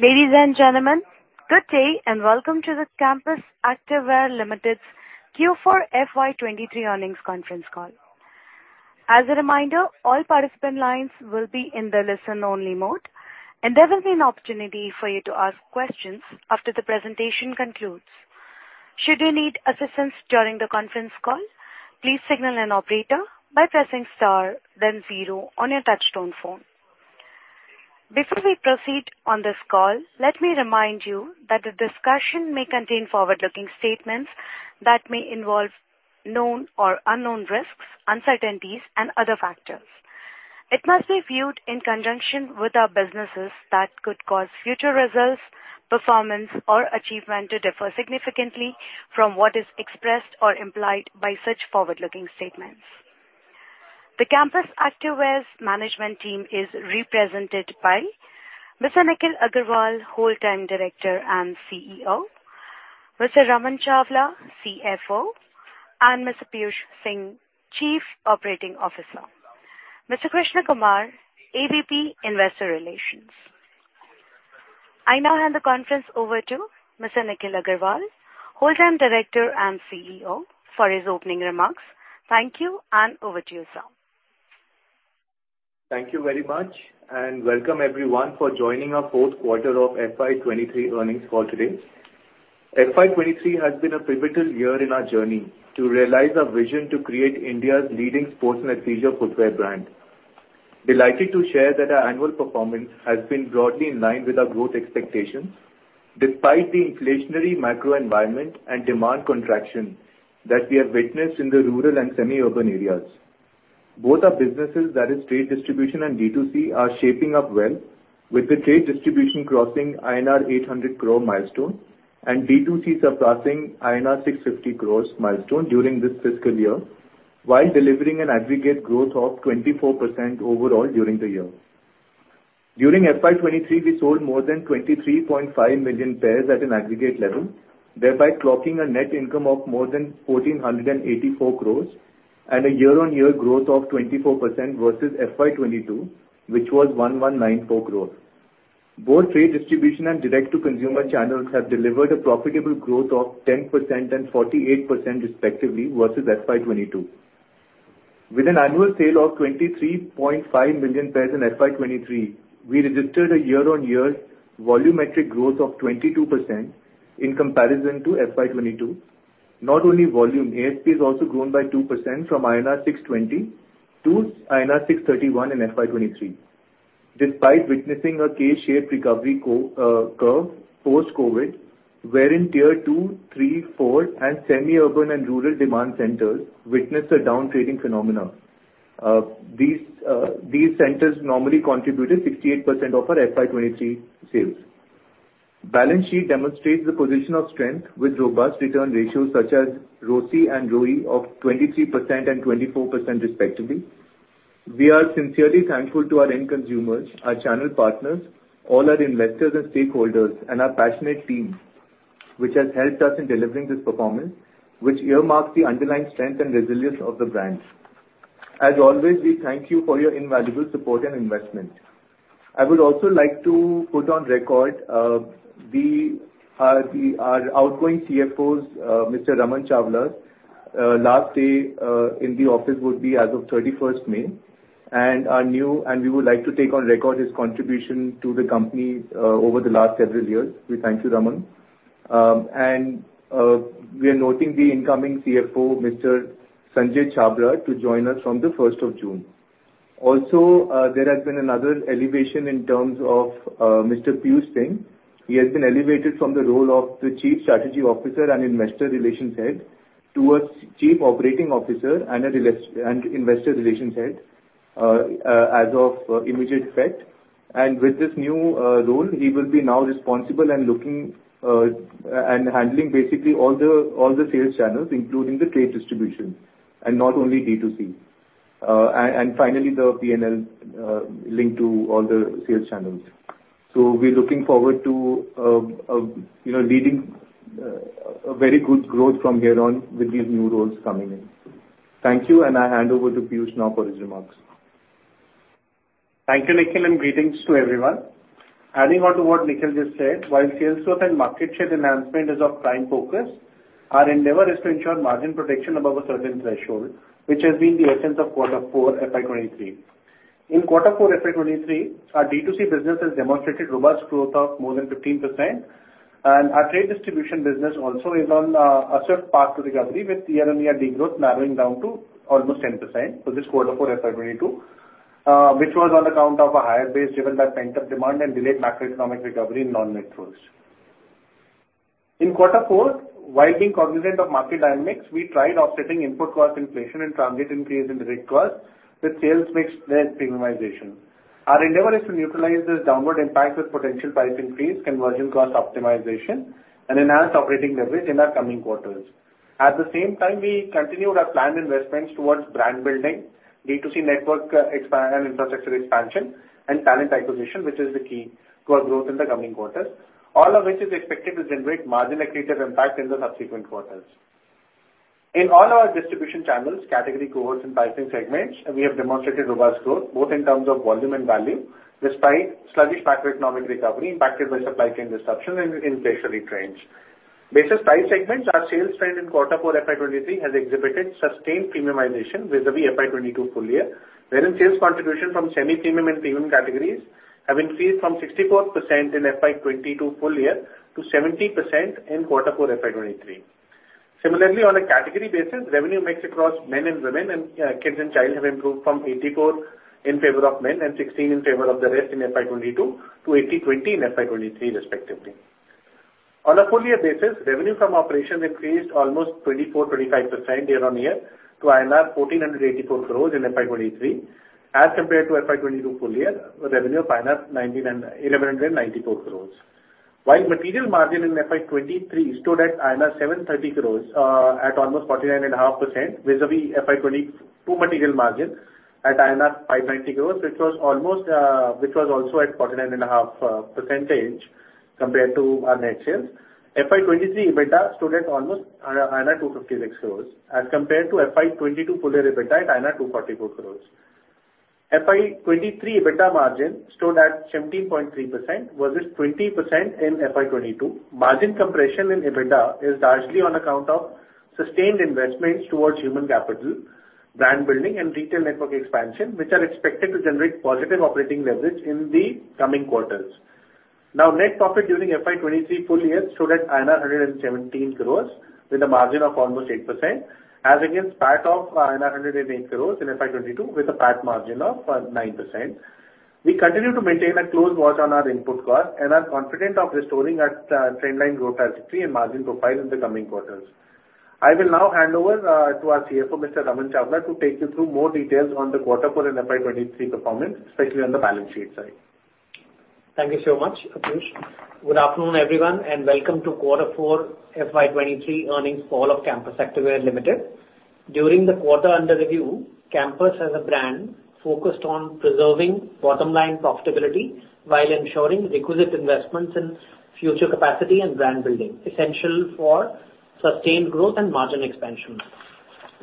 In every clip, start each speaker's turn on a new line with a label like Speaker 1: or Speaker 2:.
Speaker 1: Ladies and gentlemen, good day, and welcome to the Campus Activewear Limited's Q4 FY2023 earnings conference call. As a reminder, all participant lines will be in the listen-only mode, and there will be an opportunity for you to ask questions after the presentation concludes. Should you need assistance during the conference call, please signal an operator by pressing star then zero on your touchtone phone. Before we proceed on this call, let me remind you that the discussion may contain forward-looking statements that may involve known or unknown risks, uncertainties, and other factors. It must be viewed in conjunction with our businesses that could cause future results, performance, or achievement to differ significantly from what is expressed or implied by such forward-looking statements. The Campus Activewear's management team is represented by Mr. Nikhil Aggarwal, Whole Time Director and CEO, Mr. Raman Chawla, CFO, and Mr. Piyush Singh, Chief Operating Officer, Mr. Krishna Kumar, AVP Investor Relations. I now hand the conference over to Mr. Nikhil Aggarwal, Whole Time Director and CEO, for his opening remarks. Thank you, and over to you, sir.
Speaker 2: Thank you very much, and welcome everyone for joining our fourth quarter of FY 2023 earnings call today. FY 2023 has been a pivotal year in our journey to realize our vision to create India's leading sports and leisure footwear brand. Delighted to share that our annual performance has been broadly in line with our growth expectations, despite the inflationary macro environment and demand contraction that we have witnessed in the rural and semi-urban areas. Both our businesses, that is, trade distribution and D2C, are shaping up well, with the trade distribution crossing INR 800 crore milestone and D2C surpassing INR 650 crore milestone during this fiscal year, while delivering an aggregate growth of 24% overall during the year. During FY 2023, we sold more than 23.5 million pairs at an aggregate level, thereby clocking a net income of more than 1,484 crores and a year-on-year growth of 24% versus FY 22, which was 1,194 crores. Both trade distribution and direct-to-consumer channels have delivered a profitable growth of 10% and 48% respectively versus FY 22. With an annual sale of 23.5 million pairs in FY 23, we registered a year-on-year volumetric growth of 22% in comparison to FY 22. Not only volume, ASP has also grown by 2% from INR 620 to INR 631 in FY 2023. Despite witnessing a K-shaped recovery curve post-COVID, wherein tier two, three, four, and semi-urban and rural demand centers witnessed a downtrading phenomenon. These centers normally contributed 68% of our FY 2023 sales. Balance sheet demonstrates a position of strength with robust return ratios, such as ROCE and ROE, of 23% and 24% respectively. We are sincerely thankful to our end consumers, our channel partners, all our investors and stakeholders, and our passionate team, which has helped us in delivering this performance, which earmarks the underlying strength and resilience of the brand. As always, we thank you for your invaluable support and investment. I would also like to put on record our outgoing CFO's, Mr. Raman Chawla's, last day in the office would be as of 31st May. We would like to take on record his contribution to the company over the last several years. We thank you, Raman. We are noting the incoming CFO, Mr. Sanjay Chhabra, to join us from the first of June. Also, there has been another elevation in terms of Mr. Piyush Singh. He has been elevated from the role of the Chief Strategy Officer and Investor Relations Head to a Chief Operating Officer and Investor Relations Head as of immediate effect. With this new role, he will be now responsible and looking and handling basically all the sales channels, including the trade distribution and not only D2C. Finally, the PNL linked to all the sales channels. We're looking forward to, you know, leading a very good growth from here on with these new roles coming in. Thank you. I hand over to Piyush now for his remarks.
Speaker 3: Thank you, Nikhil. Greetings to everyone. Adding on to what Nikhil just said, while sales growth and market share enhancement is of prime focus, our endeavor is to ensure margin protection above a certain threshold, which has been the essence of Q4 FY 2023. In Q4 FY 2023, our D2C business has demonstrated robust growth of more than 15%. Our trade distribution business also is on a surf path to recovery, with year-on-year degrowth narrowing down to almost 10% for this Q4 FY 2022, which was on account of a higher base driven by pent-up demand and delayed macroeconomic recovery in non-metros. In Q4, while being cognizant of market dynamics, we tried offsetting input cost inflation and transit increase in direct costs with sales mix and premiumization. Our endeavor is to utilize this downward impact with potential price increase, conversion cost optimization, and enhanced operating leverage in our coming quarters. We continued our planned investments towards brand building, D2C network and infrastructure expansion, and talent acquisition, which is the key to our growth in the coming quarters. All of which is expected to generate margin accretive impact in the subsequent quarters. In all our distribution channels, category cohorts, and pricing segments, we have demonstrated robust growth, both in terms of volume and value, despite sluggish macroeconomic recovery impacted by supply chain disruptions and inflationary trends. Basis price segments, our sales trend in Q4 FY 2023 has exhibited sustained premiumization vis-à-vis FY 2022 full year, wherein sales contribution from semi-premium and premium categories have increased from 64% in FY 2022 full year to 70% in Q4 FY 2023. Similarly, on a category basis, revenue mix across men and women and kids and child have improved from 84 in favor of men and 16 in favor of the rest in FY 2022 to 80/20 in FY 2023, respectively. On a full year basis, revenue from operations increased almost 24%-25% year-on-year to INR 1,484 crores in FY 2023, as compared to FY 2022 full year revenue of INR 1,194 crores. While material margin in FY 2023 stood at INR 730 crores, at almost 49.5% vis-à-vis FY 2022 material margin at INR 590 crores, which was also at 49.5% compared to our net sales. FY 2023 EBITDA stood at almost INR 256 crores as compared to FY 2022 full year EBITDA at INR 244 crores. FY 2023 EBITDA margin stood at 17.3% versus 20% in FY 2022. Margin compression in EBITDA is largely on account of sustained investments towards human capital, brand building, and retail network expansion, which are expected to generate positive operating leverage in the coming quarters. Net profit during FY 2023 full year stood at INR 117 crores, with a margin of almost 8%, as against PAT of INR 108 crores in FY 2022, with a PAT margin of 9%. We continue to maintain a close watch on our input cost and are confident of restoring our trend line growth trajectory and margin profile in the coming quarters. I will now hand over to our CFO, Mr. Raman Chawla, to take you through more details on the quarter four and FY 2023 performance, especially on the balance sheet side.
Speaker 4: Thank you so much, Piyush. Good afternoon, everyone, welcome to quarter four FY 2023 earnings call of Campus Activewear Limited. During the quarter under review, Campus as a brand focused on preserving bottom-line profitability while ensuring requisite investments in future capacity and brand building, essential for sustained growth and margin expansion.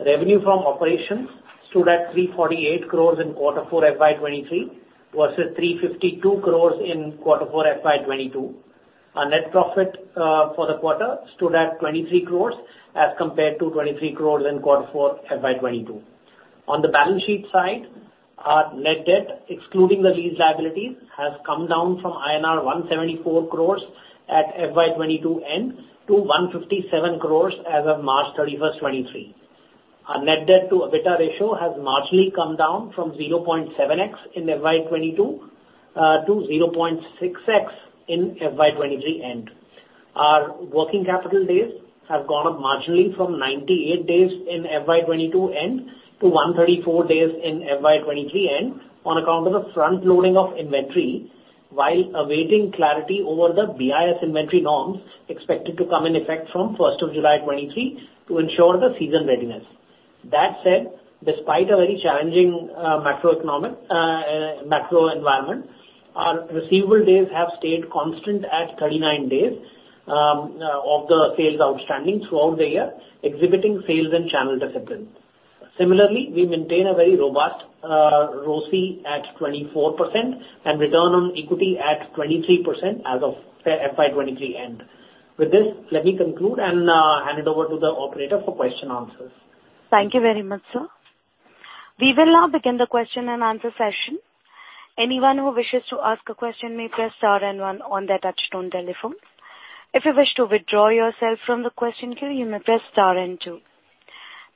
Speaker 4: Revenue from operations stood at 348 crores in Q4 FY2023, versus 352 crores in Q4 FY2022. Our net profit for the quarter stood at 23 crores as compared to 23 crores in Q4 FY2022. On the balance sheet side, our net debt, excluding the lease liabilities, has come down from INR 174 crores at FY2022 end to 157 crores as of March 31, 2023. Our net debt to EBITDA ratio has marginally come down from 0.7x in FY2022 to 0.6x in FY2023 end. Our working capital days have gone up marginally from 98 days in FY2022 end to 134 days in FY2023 end, on account of the front loading of inventory, while awaiting clarity over the BIS inventory norms expected to come in effect from 1st of July 2023 to ensure the season readiness. That said, despite a very challenging macro environment, our receivable days have stayed constant at 39 days of the sales outstanding throughout the year, exhibiting sales and channel discipline. Similarly, we maintain a very robust ROCE at 24% and return on equity at 23% as of FY23 end. With this, let me conclude and hand it over to the operator for question and answers.
Speaker 1: Thank you very much, sir. We will now begin the question and answer session. Anyone who wishes to ask a question may press star and one on their touchtone telephone. If you wish to withdraw yourself from the question queue, you may press star and two.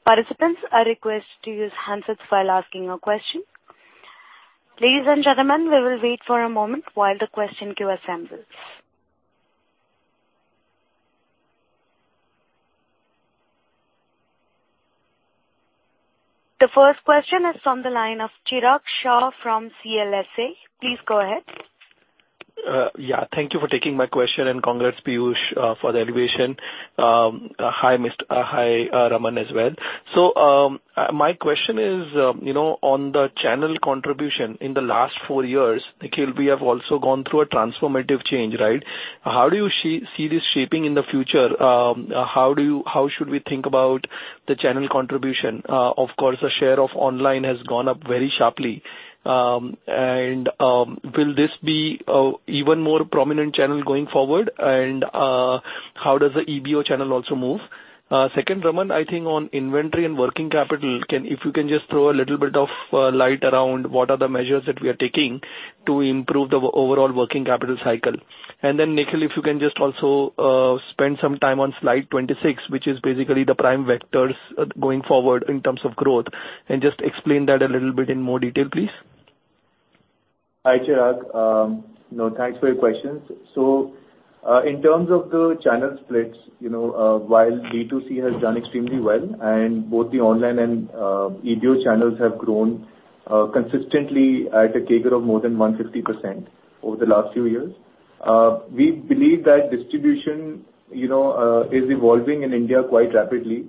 Speaker 1: Participants are requested to use handsets while asking a question. Ladies and gentlemen, we will wait for a moment while the question queue assembles. The first question is from the line of Chirag Shah from CLSA. Please go ahead.
Speaker 5: Yeah, thank you for taking my question, and congrats, Piyush Singh, for the elevation. Hi, Raman Chawla as well. My question is, you know, on the channel contribution, in the last four years, Nikhil Aggarwal, we have also gone through a transformative change, right? How do you see this shaping in the future? How should we think about the channel contribution? Of course, the share of online has gone up very sharply. Will this be a even more prominent channel going forward? How does the EBO channel also move? Second, Raman Chawla, I think on inventory and working capital, if you can just throw a little bit of light around what are the measures that we are taking to improve the overall working capital cycle. Nikhil, if you can just also spend some time on slide 26, which is basically the prime vectors going forward in terms of growth, and just explain that a little bit in more detail, please.
Speaker 2: Hi, Chirag. You know, thanks for your questions. In terms of the channel splits, you know, while D2C has done extremely well and both the online and EBO channels have grown consistently at a CAGR of more than 150% over the last few years, we believe that distribution, you know, is evolving in India quite rapidly,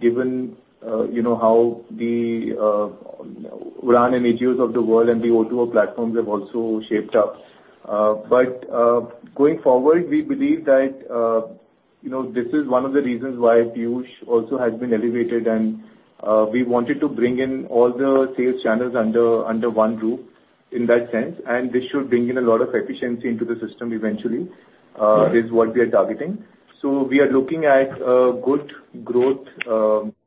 Speaker 2: given, you know, how the Udaan and EGOs of the world, and the OTO platforms have also shaped up. Going forward, we believe that, you know, this is one of the reasons why Piyush also has been elevated, and we wanted to bring in all the sales channels under one roof in that sense, and this should bring in a lot of efficiency into the system eventually, is what we are targeting. We are looking at good growth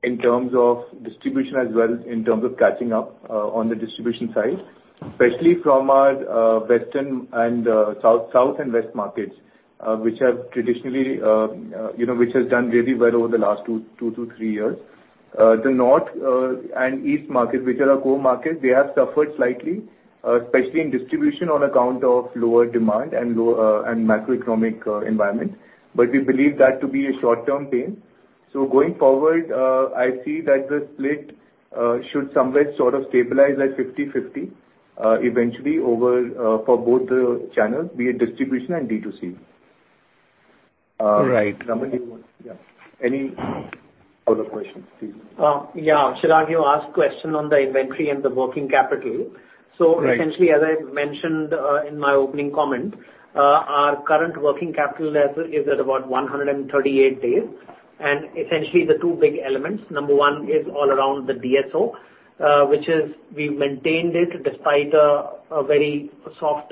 Speaker 2: in terms of distribution as well as in terms of catching up on the distribution side, especially from our south and west markets, which have traditionally, you know, which has done really well over the last 2 to 3 years. The north and east markets, which are our core markets, they have suffered slightly, especially in distribution on account of lower demand and low and macroeconomic environment. We believe that to be a short-term pain. Going forward, I see that the split should somewhere sort of stabilize at 50-50 eventually over for both the channels, be it distribution and D2C.
Speaker 5: Right.
Speaker 2: Yeah. Any other questions, please?
Speaker 4: Chirag, you asked a question on the inventory and the working capital.
Speaker 5: Right.
Speaker 4: Essentially, as I mentioned, in my opening comment, our current working capital level is at about 138 days. Essentially, the two big elements: number one is all around the DSO, which is we've maintained it despite a very soft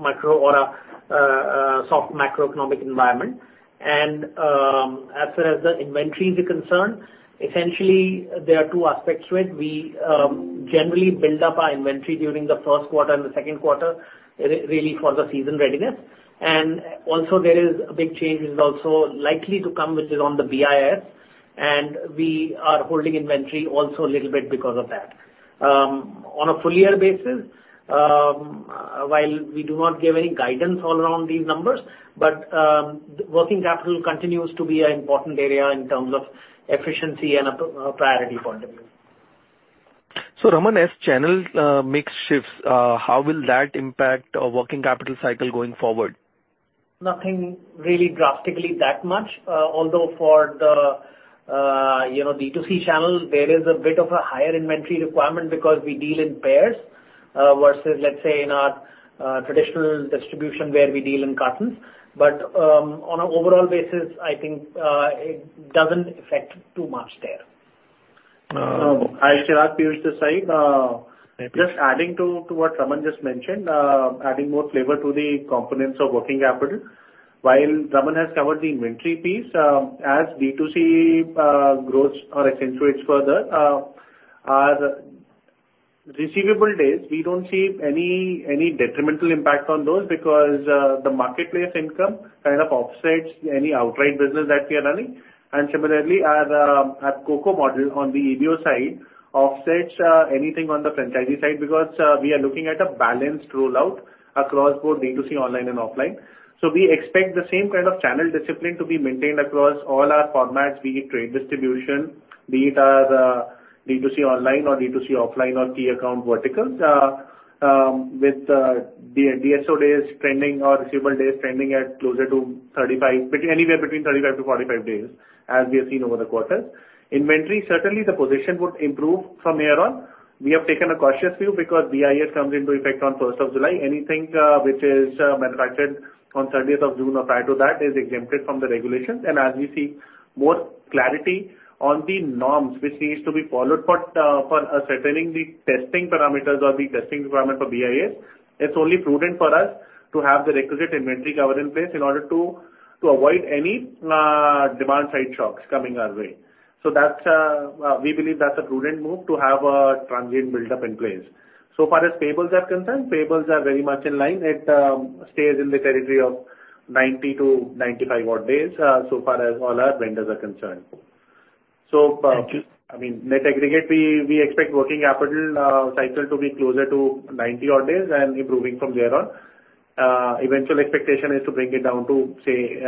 Speaker 4: micro or a soft macroeconomic environment. As far as the inventory is concerned, essentially, there are two aspects to it. We generally build up our inventory during the first quarter and the second quarter, really for the season readiness. Also there is a big change is also likely to come, which is on the BIS, and we are holding inventory also a little bit because of that. On a full year basis, while we do not give any guidance all around these numbers, but working capital continues to be an important area in terms of efficiency and priority for them.
Speaker 5: Raman, as channel mix shifts, how will that impact our working capital cycle going forward?
Speaker 4: Nothing really drastically that much. Although for the, you know, D2C channel, there is a bit of a higher inventory requirement because we deal in pairs versus, let's say, in our traditional distribution, where we deal in cartons. On an overall basis, I think, it doesn't affect too much there.
Speaker 3: Hi, Chirag, Piyush this side. Just adding to what Raman just mentioned, adding more flavor to the components of working capital. While Raman has covered the inventory piece, as D2C grows or accentuates further, our receivable days, we don't see any detrimental impact on those because the marketplace income kind of offsets any outright business that we are running. Similarly, as our COCO model on the EBO side offsets anything on the franchisee side, because we are looking at a balanced rollout across both D2C online and offline. We expect the same kind of channel discipline to be maintained across all our formats, be it trade distribution, be it the D2C online or D2C offline or key account verticals. With the DSO days trending or receivable days trending at closer to 35, anywhere between 35-45 days, as we have seen over the quarters. Inventory, certainly the position would improve from here on. We have taken a cautious view because BIS comes into effect on 1st of July. Anything which is manufactured on 30th of June or prior to that is exempted from the regulations. As we see more clarity on the norms which needs to be followed for ascertaining the testing parameters or the testing requirement for BIS, it's only prudent for us to have the requisite inventory cover in place in order to avoid any demand side shocks coming our way. That's, we believe that's a prudent move to have a transient buildup in place. Far as payables are concerned, payables are very much in line. It stays in the territory of 90 to 95 odd days, so far as all our vendors are concerned. I mean, net aggregate, we expect working capital cycle to be closer to 90 odd days and improving from there on. Eventual expectation is to bring it down to, say,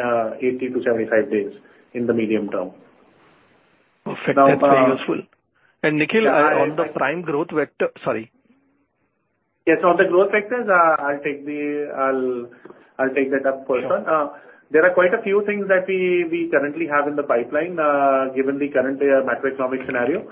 Speaker 3: 80 to 75 days in the medium term.
Speaker 5: Perfect. That's very useful.
Speaker 3: Now.
Speaker 5: Nikhil, on the prime growth vector... Sorry.
Speaker 3: Yes, on the growth vectors, I'll take that up first. There are quite a few things that we currently have in the pipeline, given the current macroeconomic scenario.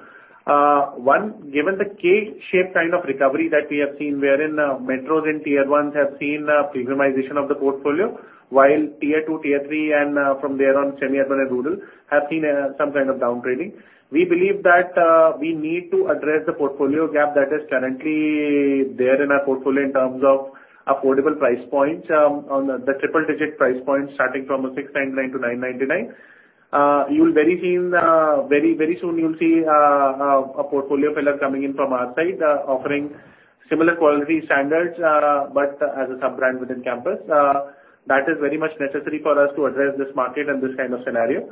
Speaker 3: Given the K-shaped kind of recovery that we have seen, wherein metros and Tier Ones have seen a premiumization of the portfolio, while Tier Two, Tier Three, and from there on, semi-urban and rural, have seen some kind of downgrading. We believe that we need to address the portfolio gap that is currently there in our portfolio in terms of affordable price points, on the triple-digit price points, starting from 609 to 999. Uh, you will very soon you'll see a portfolio pillar coming in from our side offering similar quality standards but as a sub-brand within Campus. Uh, that is very much necessary for us to address this market and this kind of scenario.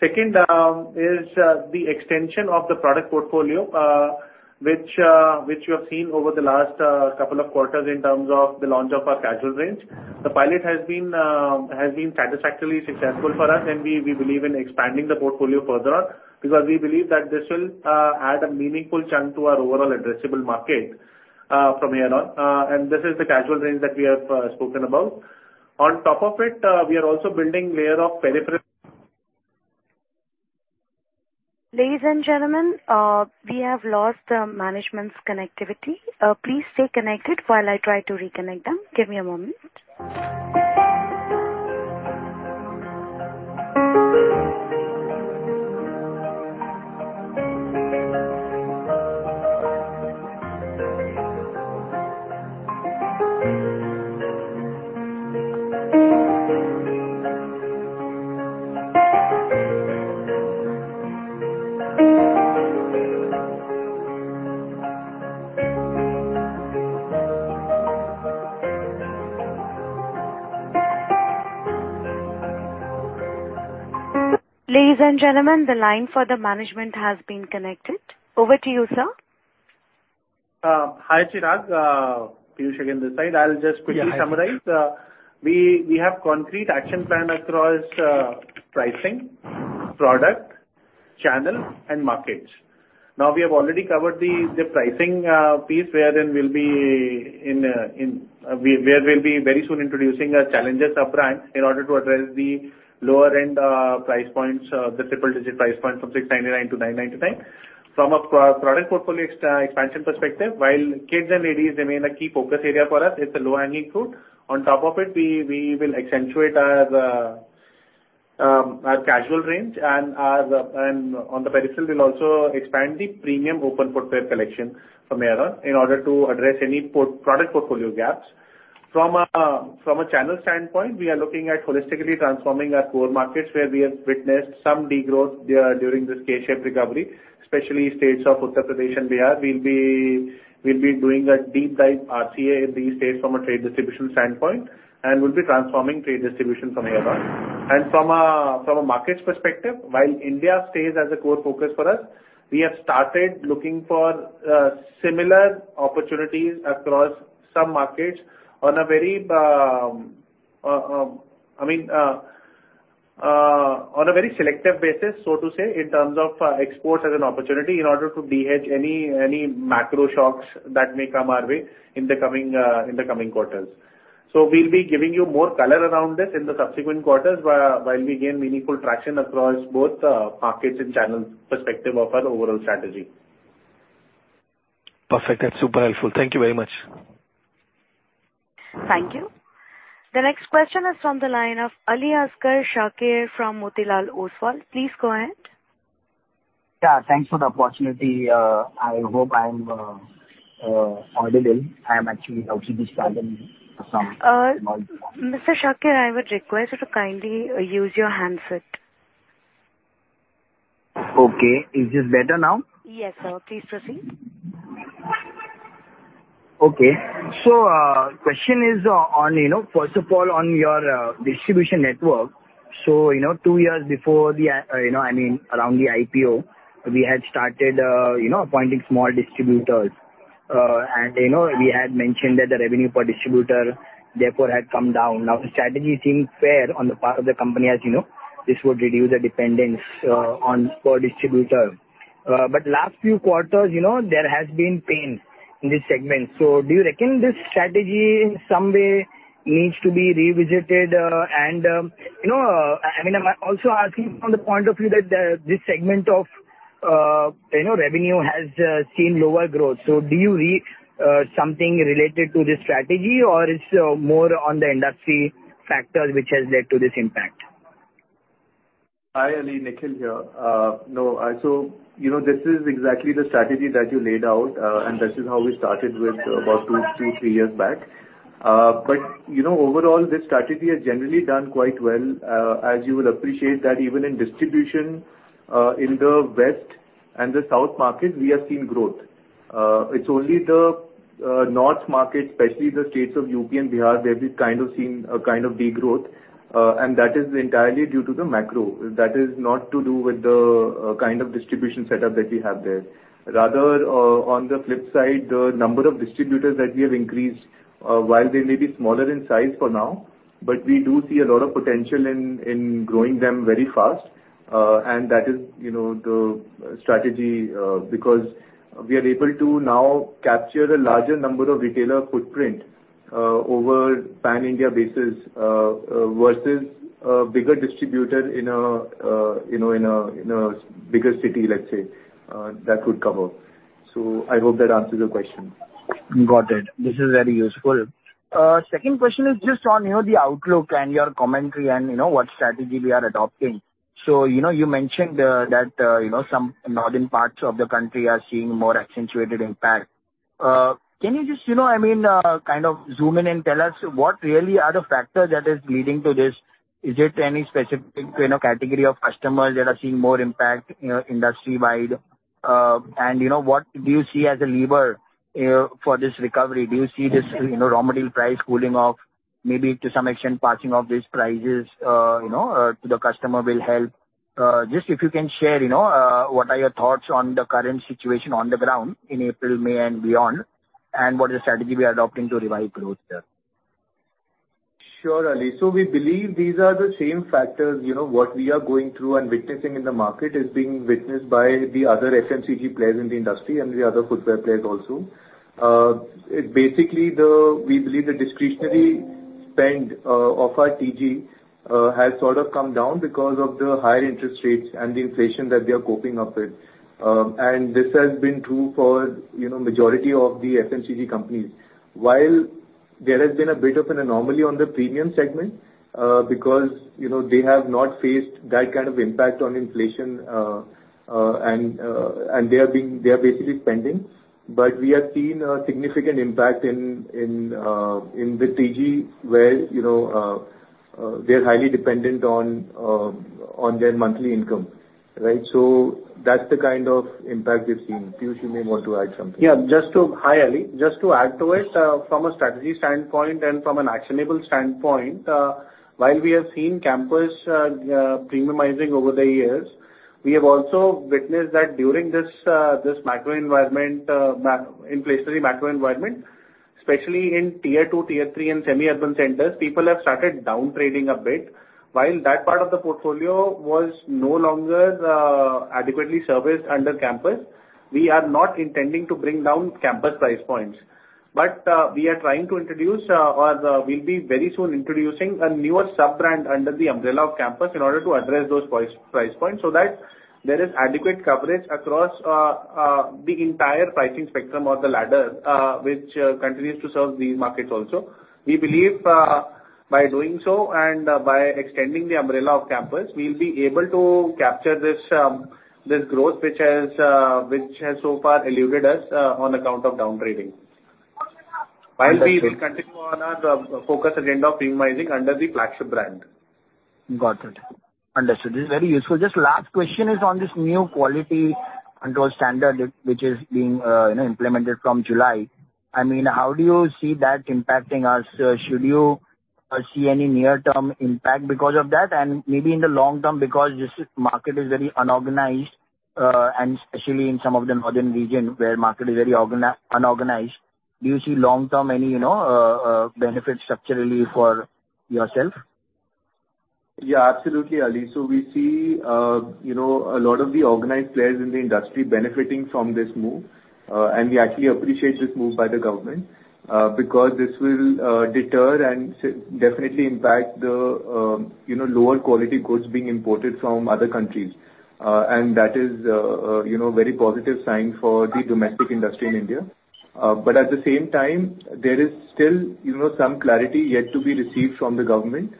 Speaker 3: Second, um, is, uh, the extension of the product portfolio, uh, which, uh, which you have seen over the last, uh, couple of quarters in terms of the launch of our casual range. The pilot has been, um, has been satisfactorily successful for us, and we, we believe in expanding the portfolio further on, because we believe that this will, uh, add a meaningful chunk to our overall addressable market, uh, from here on. Uh, and this is the casual range that we have, uh, spoken about. On top of it, uh, we are also building layer of periphery-
Speaker 1: Ladies and gentlemen, we have lost the management's connectivity. Please stay connected while I try to reconnect them. Give me a moment. Ladies and gentlemen, the line for the management has been connected. Over to you, sir.
Speaker 3: Hi, Chirag, Piyush again this side. I'll just quickly summarize.
Speaker 5: Yeah, hi.
Speaker 3: We have concrete action plan across pricing, product, channel, and markets. We have already covered the pricing piece, where we'll be very soon introducing our Challengers sub-brand, in order to address the lower end price points, the triple-digit price points from 699 to 999. From a product portfolio expansion perspective, while kids and ladies remain a key focus area for us, it's a low-hanging fruit. On top of it, we will accentuate our casual range and on the pedestal, we'll also expand the premium open footwear collection from here on, in order to address any product portfolio gaps. From a channel standpoint, we are looking at holistically transforming our core markets, where we have witnessed some degrowth during this K-shaped recovery, especially states of Uttar Pradesh and Bihar. We'll be doing a deep dive RCA in these states from a trade distribution standpoint, we'll be transforming trade distribution from here on. From a markets perspective, while India stays as a core focus for us, we have started looking for similar opportunities across some markets on a very, I mean, on a very selective basis, so to say, in terms of exports as an opportunity, in order to de-hedge any macro shocks that may come our way in the coming quarters. We'll be giving you more color around this in the subsequent quarters, while we gain meaningful traction across both markets and channels perspective of our overall strategy.
Speaker 5: Perfect. That's super helpful. Thank you very much.
Speaker 1: Thank you. The next question is from the line of Aliasgar Shakir from Motilal Oswal. Please go ahead.
Speaker 6: Yeah, thanks for the opportunity. I hope I'm audible. I am actually out to this garden.
Speaker 1: Mr. Shakir, I would request you to kindly use your handset.
Speaker 6: Okay. Is this better now?
Speaker 1: Yes, sir. Please proceed.
Speaker 6: Okay. Question is, on, you know, first of all, on your distribution network. You know, 2 years before the, you know, I mean, around the IPO, we had started, you know, appointing small distributors. You know, we had mentioned that the revenue per distributor, therefore, had come down. Now, the strategy seemed fair on the part of the company, as you know, this would reduce the dependence on per distributor. Last few quarters, you know, there has been pain in this segment. Do you reckon this strategy in some way needs to be revisited? You know, I mean, I'm also asking from the point of view that the, this segment of, you know, revenue has seen lower growth. Do you read something related to this strategy, or it's more on the industry factor which has led to this impact?
Speaker 2: Hi, Ali. Nikhil here. No, you know, this is exactly the strategy that you laid out, this is how we started with about two, three years back. You know, overall, this strategy has generally done quite well. You would appreciate that even in distribution, in the west and the south markets, we have seen growth. It's only the north market, especially the states of UP and Bihar, where we've kind of seen a kind of degrowth, that is entirely due to the macro. That is not to do with the kind of distribution setup that we have there. Rather, on the flip side, the number of distributors that we have increased, while they may be smaller in size for now, but we do see a lot of potential in growing them very fast. That is, you know, the strategy, because we are able to now capture a larger number of retailer footprint over pan-India basis versus a bigger distributor in a bigger city, let's say, that would cover. I hope that answers your question.
Speaker 6: Got it. This is very useful. Second question is just on, you know, the outlook and your commentary and, you know, what strategy we are adopting. You know, you mentioned that, you know, some northern parts of the country are seeing more accentuated impact. Can you just I mean, kind of zoom in and tell us what really are the factors that is leading to this? Is it any specific, category of customers that are seeing more impact, you know, industry-wide? You know, what do you see as a lever for this recovery? Do you see this, you know, raw material price cooling off, maybe to some extent passing off these prices, you know, to the customer will help? Just if you can share, you know, what are your thoughts on the current situation on the ground in April, May and beyond, and what is the strategy we are adopting to revive growth there?
Speaker 2: Sure, Ali. We believe these are the same factors, you know, what we are going through and witnessing in the market is being witnessed by the other FMCG players in the industry and the other footwear players also. It basically... We believe the discretionary-... spend of our TG has sort of come down because of the higher interest rates and the inflation that we are coping up with. This has been true for, you know, majority of the FMCG companies. While there has been a bit of an anomaly on the premium segment, because, you know, they have not faced that kind of impact on inflation, and they are basically spending. We have seen a significant impact in the TG, where, you know, they are highly dependent on their monthly income, right? That's the kind of impact we've seen. Piyush, you may want to add something.
Speaker 3: Hi, Ali. Just to add to it, from a strategy standpoint and from an actionable standpoint, while we have seen Campus premiumizing over the years, we have also witnessed that during this macro environment, inflationary macro environment, especially in tier two, tier three, and semi-urban centers, people have started down-trading a bit. While that part of the portfolio was no longer adequately serviced under Campus, we are not intending to bring down Campus price points. We are trying to introduce, or we'll be very soon introducing a newer sub-brand under the umbrella of Campus in order to address those price points, so that there is adequate coverage across the entire pricing spectrum or the ladder, which continues to serve these markets also. We believe, by doing so and, by extending the umbrella of Campus, we'll be able to capture this growth which has, which has so far eluded us, on account of down-trading.
Speaker 6: Got it.
Speaker 3: While we will continue on our focus agenda of premiumizing under the flagship brand.
Speaker 6: Got it. Understood. This is very useful. Just last question is on this new quality control standard, which is being, you know, implemented from July. I mean, how do you see that impacting us? Should you see any near-term impact because of that? Maybe in the long term, because this market is very unorganized, and especially in some of the northern region, where market is very unorganized, do you see long-term any, you know, benefits structurally for yourself?
Speaker 2: Yeah, absolutely, Ali. We see, you know, a lot of the organized players in the industry benefiting from this move. We actually appreciate this move by the government, because this will deter and definitely impact the, you know, lower quality goods being imported from other countries. That is, you know, very positive sign for the domestic industry in India. At the same time, there is still, you know, some clarity yet to be received from the government,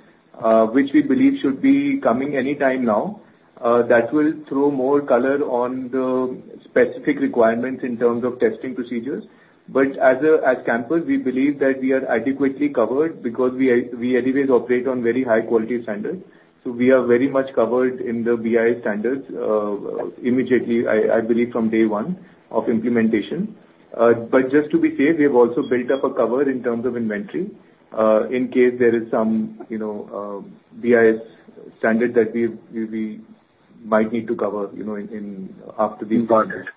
Speaker 2: which we believe should be coming any time now. That will throw more color on the specific requirements in terms of testing procedures. At Campus, we believe that we are adequately covered because we anyways operate on very high quality standards. We are very much covered in the BIS standards immediately, I believe, from day one of implementation. Just to be safe, we have also built up a cover in terms of inventory, in case there is some, you know, BIS standard that we might need to cover, you know, after the implementation.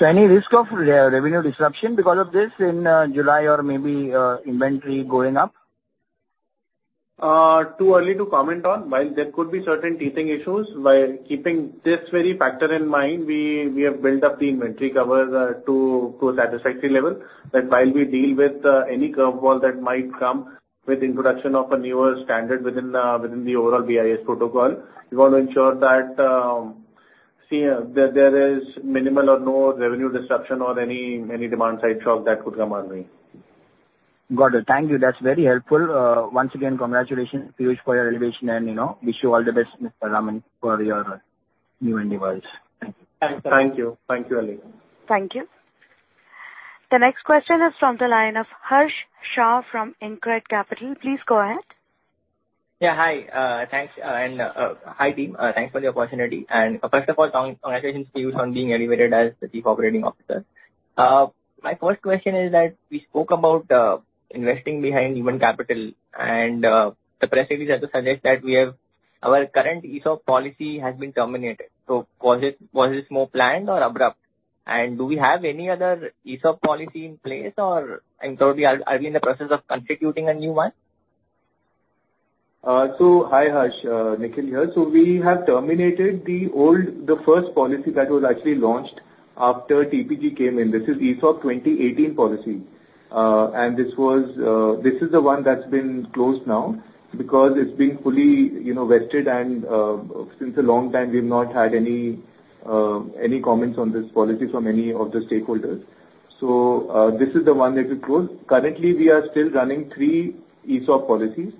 Speaker 6: Got it. Any risk of revenue disruption because of this in July or maybe inventory going up?
Speaker 4: Too early to comment on. While there could be certain teething issues, by keeping this very factor in mind, we have built up the inventory cover to a satisfactory level, that while we deal with any curveball that might come with introduction of a newer standard within the overall BIS protocol, we want to ensure that, see, there is minimal or no revenue disruption or any demand-side shock that could come our way.
Speaker 6: Got it. Thank you. That's very helpful. Once again, congratulations, Piyush, for your elevation, and, you know, wish you all the best, Mr. Raman, for your new endeavors. Thank you.
Speaker 3: Thanks.
Speaker 2: Thank you. Thank you, Ali.
Speaker 1: Thank you. The next question is from the line of Harsh Shah from InCred Capital. Please go ahead.
Speaker 7: Yeah, hi. Thanks, and, hi, team, thanks for the opportunity. First of all, congratulations, Piyush, on being elevated as the Chief Operating Officer. My first question is that we spoke about investing behind human capital, and the press release also suggests that our current ESOP policy has been terminated. Was this more planned or abrupt? Do we have any other ESOP policy in place, or are we in the process of contributing a new one?
Speaker 2: Hi, Harsh, Nikhil here. We have terminated the old, the first policy that was actually launched after TPG came in. This is ESOP 2018 policy. This is the one that's been closed now, because it's been fully, you know, vested and since a long time, we've not had any comments on this policy from any of the stakeholders. This is the one that we closed. Currently, we are still running three ESOP policies.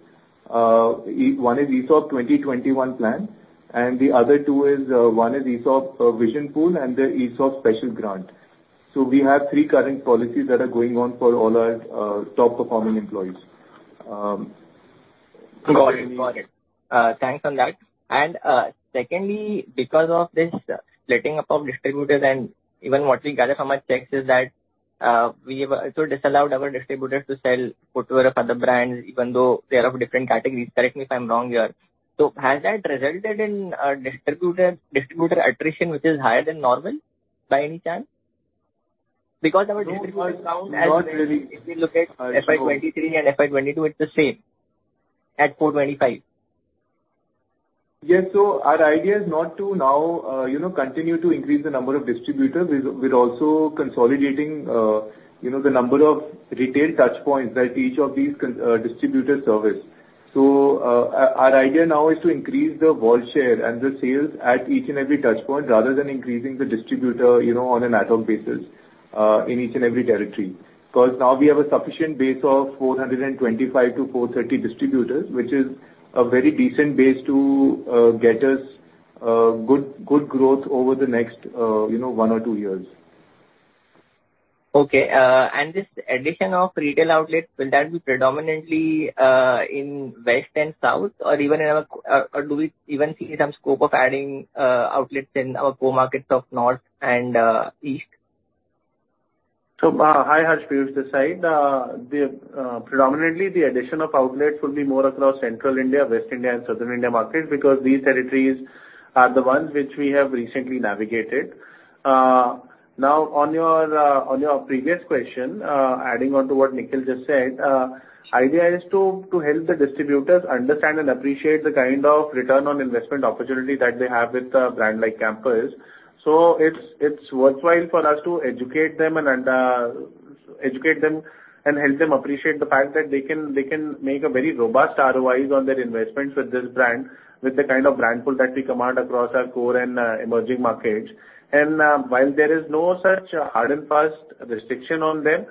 Speaker 2: One is ESOP 2021 plan, and the other two is, one is ESOP Vision Pool, and the ESOP Special Grant. We have three current policies that are going on for all our top-performing employees.
Speaker 7: Got it. Got it. Thanks on that. Secondly, because of this splitting up of distributors and even what we gather from our checks, is that, we have also disallowed our distributors to sell footwear of other brands, even though they are of different categories. Correct me if I'm wrong here. Has that resulted in distributor attrition, which is higher than normal by any chance? Because our distributors count-
Speaker 2: No, not really.
Speaker 7: If you look at FY 2023 and FY 2022, it's the same, at 425.
Speaker 2: Yes, our idea is not to now, you know, continue to increase the number of distributors. We're also consolidating, you know, the number of retail touchpoints that each of these distributors service. Our idea now is to increase the wall share and the sales at each and every touchpoint, rather than increasing the distributor, you know, on an ad hoc basis, in each and every territory. Now we have a sufficient base of 425 to 430 distributors, which is a very decent base to get us good growth over the next one or two years.
Speaker 7: This addition of retail outlets, will that be predominantly in West and South, or even in our, or do we even see some scope of adding outlets in our core markets of North and East?
Speaker 3: Hi, Harsh, this side. The predominantly, the addition of outlets will be more across Central India, West India, and Southern India markets, because these territories are the ones which we have recently navigated. Now, on your previous question, adding on to what Nikhil just said, idea is to help the distributors understand and appreciate the kind of return on investment opportunity that they have with a brand like Campus. It's worthwhile for us to educate them and help them appreciate the fact that they can make a very robust ROIs on their investments with this brand, with the kind of brand pull that we command across our core and emerging markets. While there is no such hard and fast restriction on them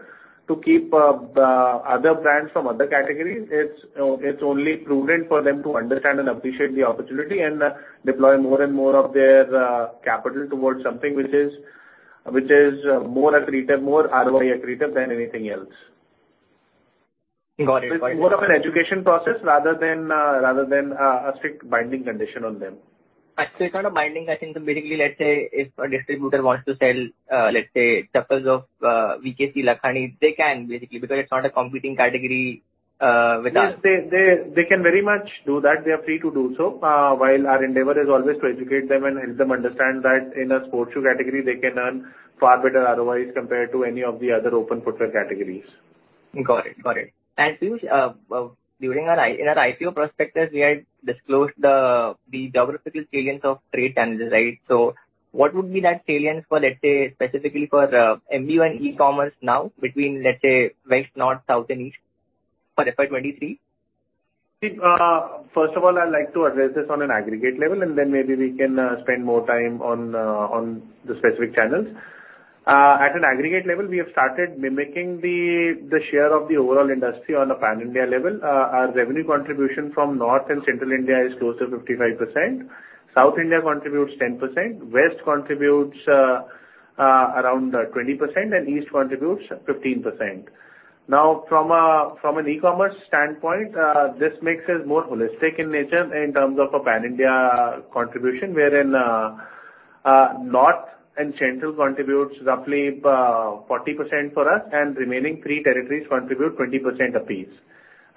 Speaker 3: to keep other brands from other categories, it's only prudent for them to understand and appreciate the opportunity and deploy more and more of their capital towards something which is more accretive, more ROI accretive than anything else.
Speaker 7: Got it.
Speaker 3: It's more of an education process rather than a strict binding condition on them.
Speaker 7: It's not a binding. I think basically, let's say, if a distributor wants to sell, let's say, couples of VKC Lakhani, they can basically, because it's not a competing category with us.
Speaker 3: Yes, they can very much do that. They are free to do so, while our endeavor is always to educate them and help them understand that in a sports shoe category, they can earn far better ROIs compared to any of the other open footwear categories.
Speaker 7: Got it. Piyush, during our IPO prospectus, we had disclosed the geographical salience of trade channels, right? What would be that salience for, let's say, specifically for MU and e-commerce now, between, let's say, west, north, south and east for FY 2023?
Speaker 3: First of all, I'd like to address this on an aggregate level, and then maybe we can spend more time on the specific channels. At an aggregate level, we have started mimicking the share of the overall industry on a pan-India level. Our revenue contribution from North and Central India is close to 55%. South India contributes 10%, West contributes around 20%, and East contributes 15%. From an e-commerce standpoint, this makes us more holistic in nature in terms of a pan-India contribution, wherein North and Central contributes roughly 40% for us, and remaining three territories contribute 20% a piece.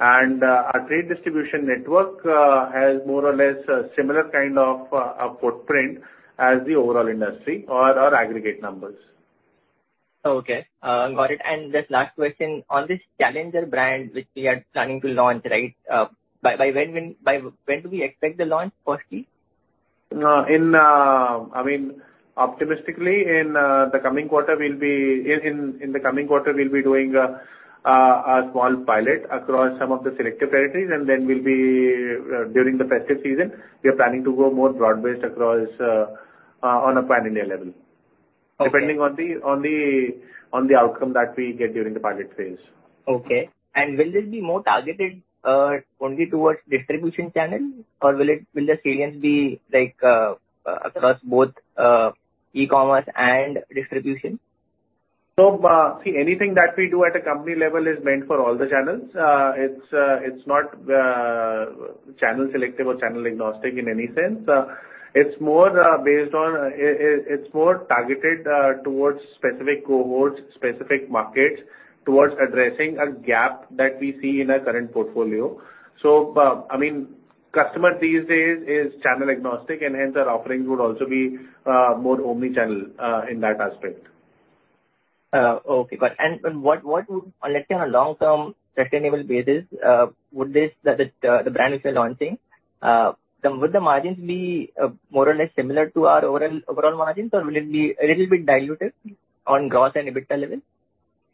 Speaker 3: Our trade distribution network has more or less a similar kind of a footprint as the overall industry or our aggregate numbers.
Speaker 7: Okay, got it. Just last question, on this Challenger brand, which we are planning to launch, right, by when do we expect the launch, firstly?
Speaker 3: I mean, optimistically, in the coming quarter, we'll be doing a small pilot across some of the selective territories. Then we'll be during the festive season, we are planning to go more broad-based across on a pan-India level.
Speaker 7: Okay.
Speaker 3: Depending on the outcome that we get during the pilot phase.
Speaker 7: Okay. Will this be more targeted, only towards distribution channel, or will the salience be like, across both, e-commerce and distribution?
Speaker 3: See, anything that we do at a company level is meant for all the channels. It's not channel selective or channel agnostic in any sense. It's more, based on, it's more targeted, towards specific cohorts, specific markets, towards addressing a gap that we see in our current portfolio. I mean, customer these days is channel agnostic, and hence our offerings would also be more omni-channel in that aspect.
Speaker 7: Okay, got it. What would, let's say, on a long-term sustainable basis, would this, the brand we are launching, would the margins be, more or less similar to our overall margins, or will it be a little bit diluted on gross and EBITDA level?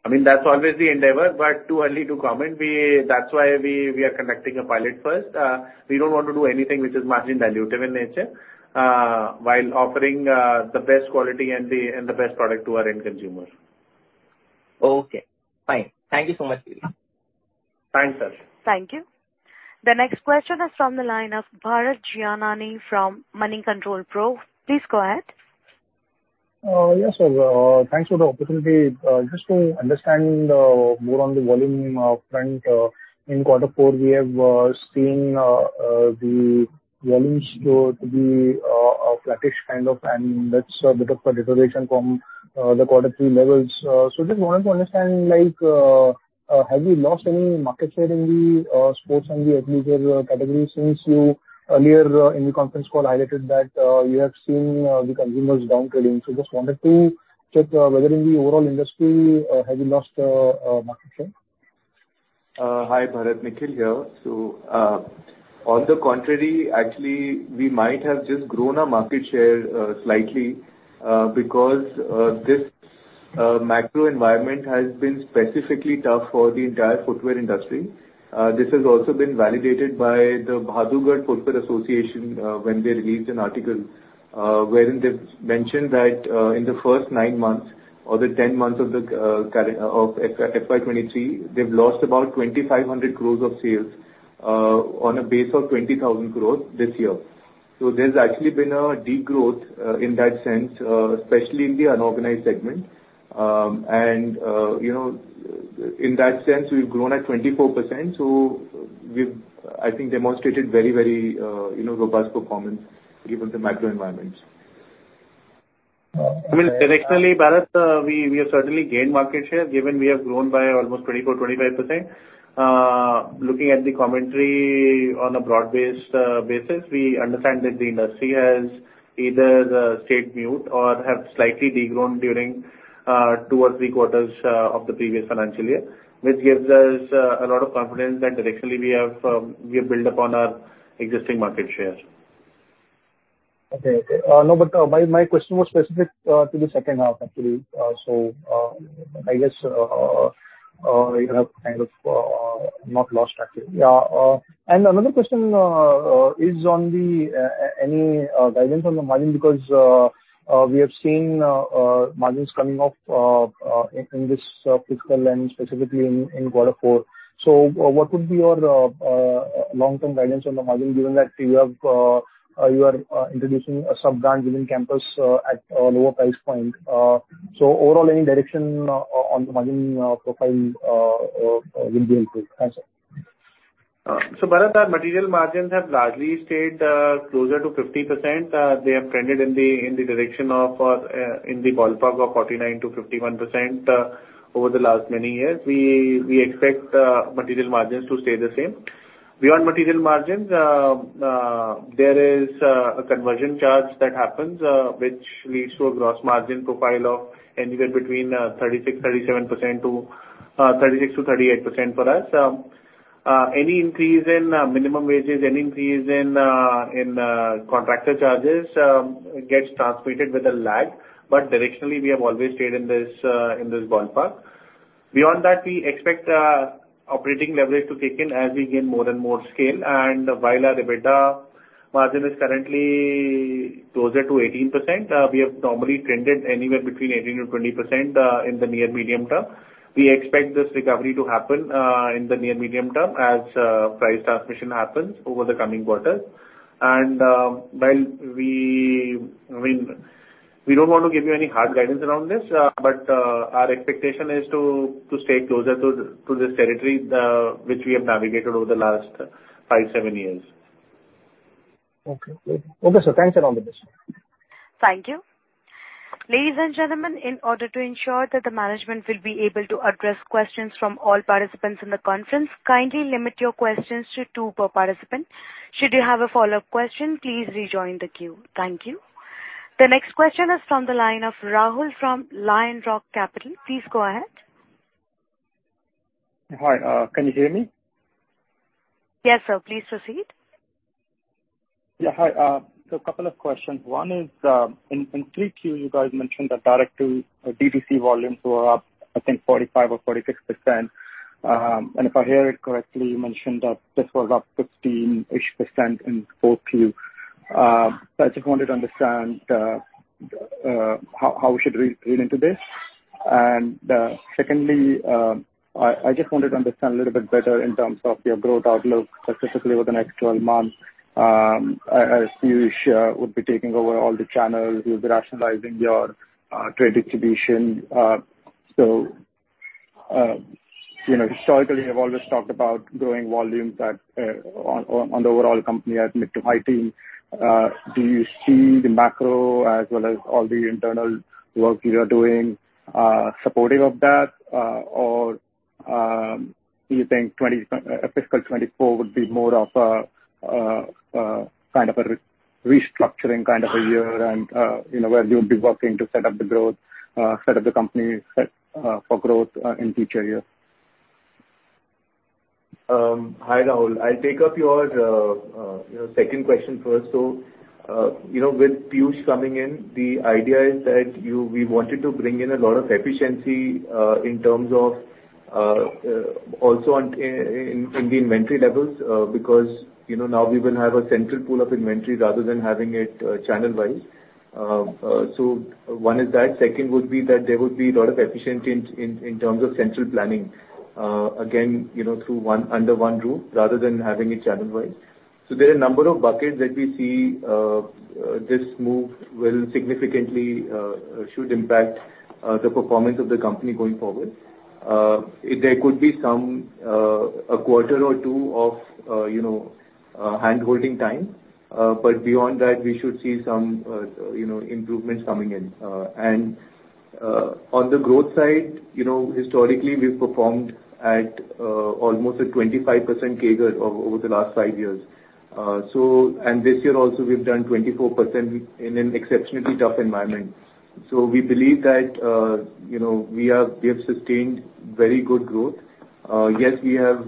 Speaker 3: I mean, that's always the endeavor, but too early to comment. That's why we are conducting a pilot first. We don't want to do anything which is margin dilutive in nature, while offering the best quality and the best product to our end consumer.
Speaker 7: Okay, fine. Thank you so much, Piyush.
Speaker 3: Thanks, sir.
Speaker 1: Thank you. The next question is from the line of Bharat Gianani from Moneycontrol Pro. Please go ahead.
Speaker 8: Yes, thanks for the opportunity. Just to understand more on the volume front, in quarter 4, we have seen the volumes grow to be a flattish kind of, and that's a bit of a deterioration from the Q3 levels. Just to understand, like, have you lost any market share in the sports and the athletic wear category, since you earlier in the conference call highlighted that you have seen the consumers down trading? Just to check whether in the overall industry have you lost market share?
Speaker 2: Hi, Bharat, Nikhil here. On the contrary, actually, we might have just grown our market share slightly because this macro environment has been specifically tough for the entire footwear industry. This has also been validated by the Bahadurgarh Footwear Association when they released an article wherein they've mentioned that in the first 9 months or the 10 months of the, FY2023, they've lost about 2,500 crores of sales on a base of 20,000 growth this year. There's actually been a degrowth in that sense, especially in the unorganized segment. You know, in that sense, we've grown at 24%, so we've, I think, demonstrated very, very, you know, robust performance given the macro environment.
Speaker 3: I mean, directionally, Bharat, we have certainly gained market share, given we have grown by almost 24-25%. Looking at the commentary on a broad-based basis, we understand that the industry has either stayed mute or have slightly de-grown during 2 or 3 quarters of the previous financial year, which gives us a lot of confidence that directionally we have built upon our existing market share.
Speaker 8: Okay, okay. My question was specific to the second half, actually. I guess you have kind of not lost actually. Yeah, another question is on the any guidance on the margin, because we have seen margins coming off in this fiscal end, specifically in quarter four. What would be your long-term guidance on the margin, given that you have you are introducing a sub-brand within Campus at a lower price point? Overall, any direction on the margin profile will be improved? Thanks, sir.
Speaker 4: Bharat, our material margins have largely stayed closer to 50%. They have trended in the direction of in the ballpark of 49%-51% over the last many years. We expect material margins to stay the same. Beyond material margins, there is a conversion charge that happens, which leads to a gross margin profile of anywhere between 36%, 37% to 36%-38% for us. Any increase in minimum wages, any increase in contractor charges gets transmitted with a lag, but directionally, we have always stayed in this ballpark. Beyond that, we expect operating leverage to kick in as we gain more and more scale. While our EBITDA margin is currently closer to 18%, we have normally trended anywhere between 18%-20% in the near medium term. We expect this recovery to happen in the near medium term, as price transmission happens over the coming quarters. While I mean, we don't want to give you any hard guidance around this, but our expectation is to stay closer to this territory, which we have navigated over the last five, seven years.
Speaker 8: Okay. Okay, thanks a lot on this.
Speaker 1: Thank you. Ladies and gentlemen, in order to ensure that the management will be able to address questions from all participants in the conference, kindly limit your questions to 2 per participant. Should you have a follow-up question, please rejoin the queue. Thank you. The next question is from the line of Rahul from LionRock Capital. Please go ahead.
Speaker 9: Hi, can you hear me?
Speaker 1: Yes, sir. Please proceed.
Speaker 9: Yeah, hi. A couple of questions. One is, in 3Qs, you guys mentioned that direct to D2C volumes were up, I think, 45% or 46%. If I hear it correctly, you mentioned that this was up 15-ish% in 4Q. I just wanted to understand how we should read into this. Secondly, I just wanted to understand a little bit better in terms of your growth outlook, specifically over the next 12 months. As Piyush would be taking over all the channels, you'll be rationalizing your trade distribution. You know, historically, you have always talked about growing volumes at the overall company at mid-to-high teen. Do you see the macro as well as all the internal work you are doing, supportive of that? Or do you think 20, fiscal 2024 would be more of a kind of a restructuring kind of a year and, you know, where you'll be working to set up the growth, set up the company, set for growth in future years?
Speaker 2: Hi, Rahul. I'll take up your your second question first. With Piyush coming in, the idea is that we wanted to bring in a lot of efficiency in terms of also on in the inventory levels, because, you know, now we will have a central pool of inventory rather than having it channel-wise. One is that. Second would be that there would be a lot of efficiency in terms of central planning, again, you know, under one roof, rather than having it channel-wise. There are a number of buckets that we see this move will significantly should impact the performance of the company going forward. There could be some, a quarter or two of, you know, handholding time, but beyond that, we should see some, you know, improvements coming in. On the growth side, you know, historically, we've performed at almost a 25% CAGR over the last five years. This year also, we've done 24% in an exceptionally tough environment. We believe that, you know, we have sustained very good growth. Yes, we have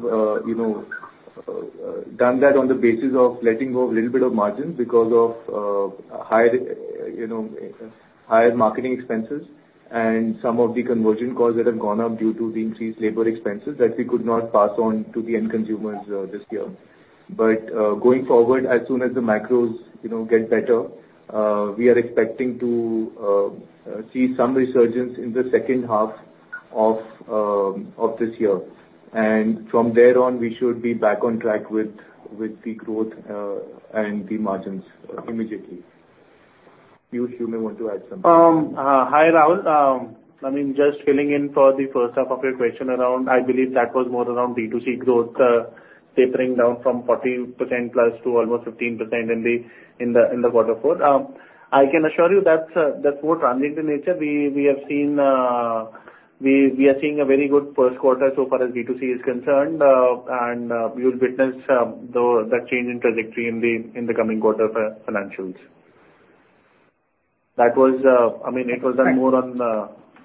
Speaker 2: done that on the basis of letting go of a little bit of margins because of higher marketing expenses and some of the conversion costs that have gone up due to the increased labor expenses that we could not pass on to the end consumers this year. Going forward, as soon as the macros, you know, get better, we are expecting to see some resurgence in the second half of this year. From there on, we should be back on track with the growth and the margins immediately. Piyush, you may want to add something.
Speaker 3: Hi, Rahul. I mean, just filling in for the first half of your question around, I believe that was more around B2C growth, tapering down from 14%+ to almost 15% in the Q4. I can assure you that's more transient in nature. We have seen, we are seeing a very good 1Q so far as B2C is concerned, and you'll witness that change in trajectory in the coming quarter for financials. That was, I mean, it was done more on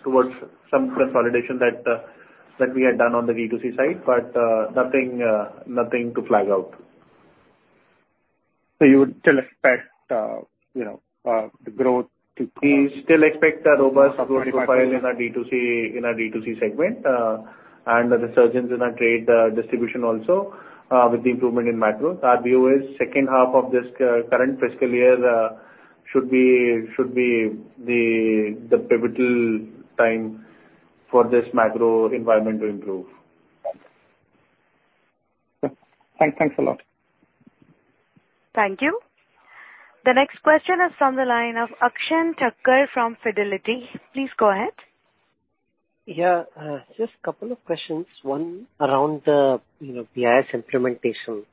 Speaker 3: towards some consolidation that we had done on the B2C side, but nothing to flag out.
Speaker 9: You would still expect, you know, the growth.
Speaker 3: We still expect a robust growth profile in our B2C segment, and the resurgence in our trade distribution also, with the improvement in macros. Our view is second half of this current fiscal year should be the pivotal time for this macro environment to improve.
Speaker 9: Thanks. Thanks a lot.
Speaker 1: Thank you. The next question is from the line of Akshen Thakkar from Fidelity. Please go ahead.
Speaker 10: Yeah, just couple of questions. One, around the, you know, BIS implementation.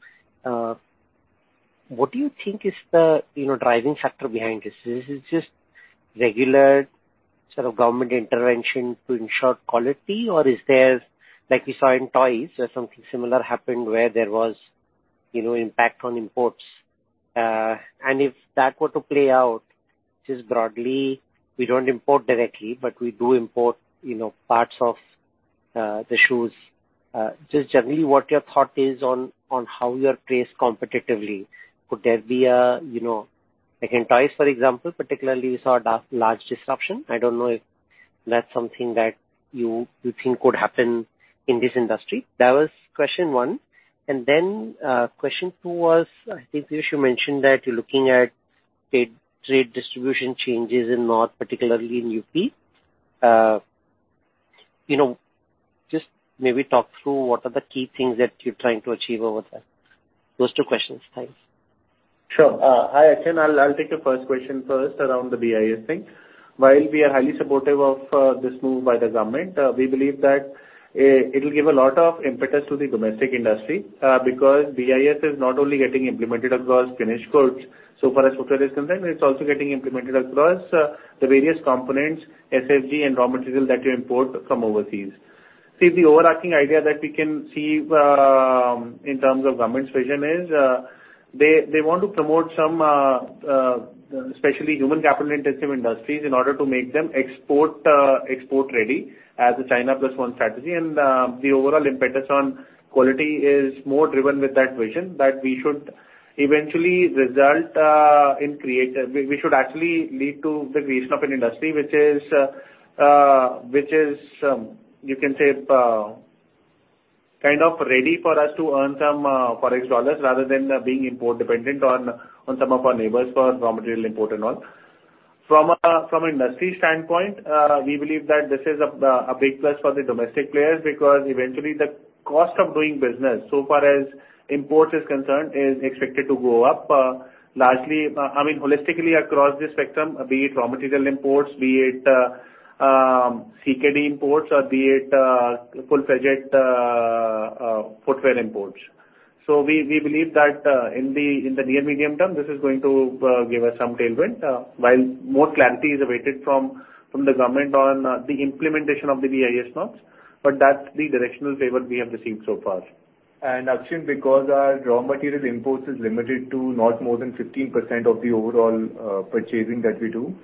Speaker 10: What do you think is the, you know, driving factor behind this? Is this just regular sort of government intervention to ensure quality, or is there, like we saw in toys, where something similar happened, where there was, you know, impact on imports? If that were to play out, just broadly, we don't import directly, but we do import, you know, parts of the shoes. Just generally, what your thought is on how you are placed competitively. Could there be a, you know, like in toys, for example, particularly we saw a large disruption. I don't know if that's something that you think could happen in this industry. That was question one. Then, Question 2 was, I think Piyush mentioned that you're looking at trade distribution changes in North, particularly in UP. You know, just maybe talk through what are the key things that you're trying to achieve over there. Those two questions. Thanks.
Speaker 3: Sure. Hi, Akshen. I'll take the first question first around the BIS thing. While we are highly supportive of this move by the government, we believe that it'll give a lot of impetus to the domestic industry, because BIS is not only getting implemented across finished goods so far as footwear is concerned, it's also getting implemented across the various components, SFG and raw material that you import from overseas. See, the overarching idea that we can see in terms of government's vision is, they want to promote some especially human capital-intensive industries in order to make them export ready as a China plus one strategy. The overall impetus on quality is more driven with that vision, that we should eventually result in we should actually lead to the creation of an industry which is, which is, you can say, kind of ready for us to earn some foreign dollars, rather than being import dependent on some of our neighbors for raw material import and all. From an industry standpoint, we believe that this is a big plus for the domestic players, because eventually the cost of doing business, so far as import is concerned, is expected to go up, largely, I mean, holistically across the spectrum, be it raw material imports, be it CKD imports, or be it full-fledged footwear imports. We believe that in the near medium term, this is going to give us some tailwind, while more clarity is awaited from the government on the implementation of the BIS norms, but that's the directional favor we have received so far.
Speaker 4: Akshen, because our raw material imports is limited to not more than 15% of the overall purchasing that we do,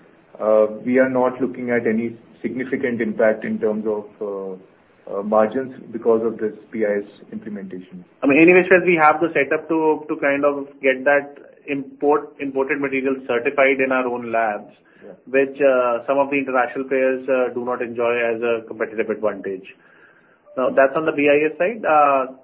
Speaker 4: we are not looking at any significant impact in terms of margins because of this BIS implementation.
Speaker 3: I mean, anyway, since we have the setup to kind of get that imported material certified in our own labs...
Speaker 2: Yeah.
Speaker 3: - which some of the international players do not enjoy as a competitive advantage. That's on the BIS side.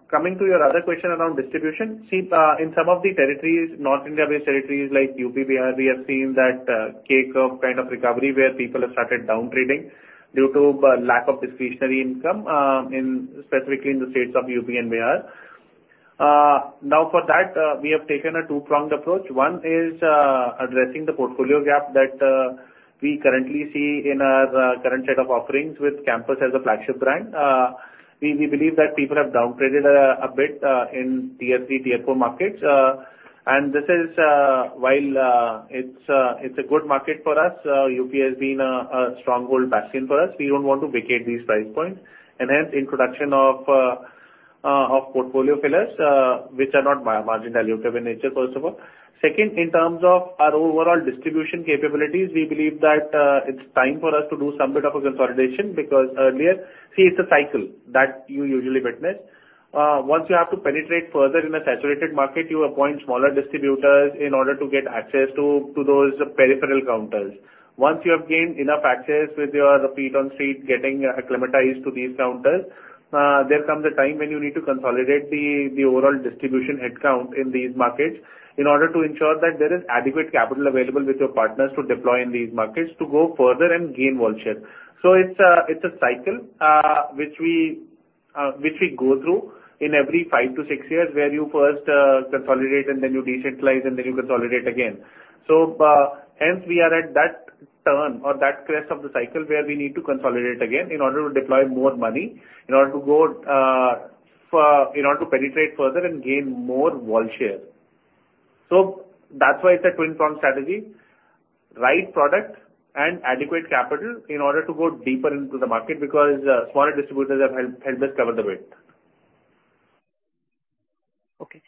Speaker 3: Coming to your other question around distribution, see, in some of the territories, North India-based territories like UP, BR, we have seen that cake of kind of recovery, where people have started down trading due to lack of discretionary income, in specifically in the states of UP and BR. For that, we have taken a two-pronged approach. One is addressing the portfolio gap that we currently see in our current set of offerings with Campus as a flagship brand. We believe that people have downgraded a bit in tier three, tier four markets. This is, while, it's a, it's a good market for us, UP has been a stronghold basin for us. We don't want to vacate these price points, and hence, introduction of portfolio fillers, which are not margin allocated in nature, first of all. Second, in terms of our overall distribution capabilities, we believe that, it's time for us to do some bit of a consolidation, because earlier, see, it's a cycle that you usually witness. Once you have to penetrate further in a saturated market, you appoint smaller distributors in order to get access to those peripheral counters. Once you have gained enough access with your feet on street, getting acclimatized to these counters, there comes a time when you need to consolidate the overall distribution headcount in these markets in order to ensure that there is adequate capital available with your partners to deploy in these markets to go further and gain wall share. It's a cycle, which we go through in every five to six years, where you first consolidate and then you decentralize, and then you consolidate again. Hence we are at that turn or that crest of the cycle, where we need to consolidate again in order to deploy more money, in order to go for, in order to penetrate further and gain more wall share. That's why it's a twin prong strategy, right product and adequate capital in order to go deeper into the market, because smaller distributors have helped us cover the width.
Speaker 10: Okay.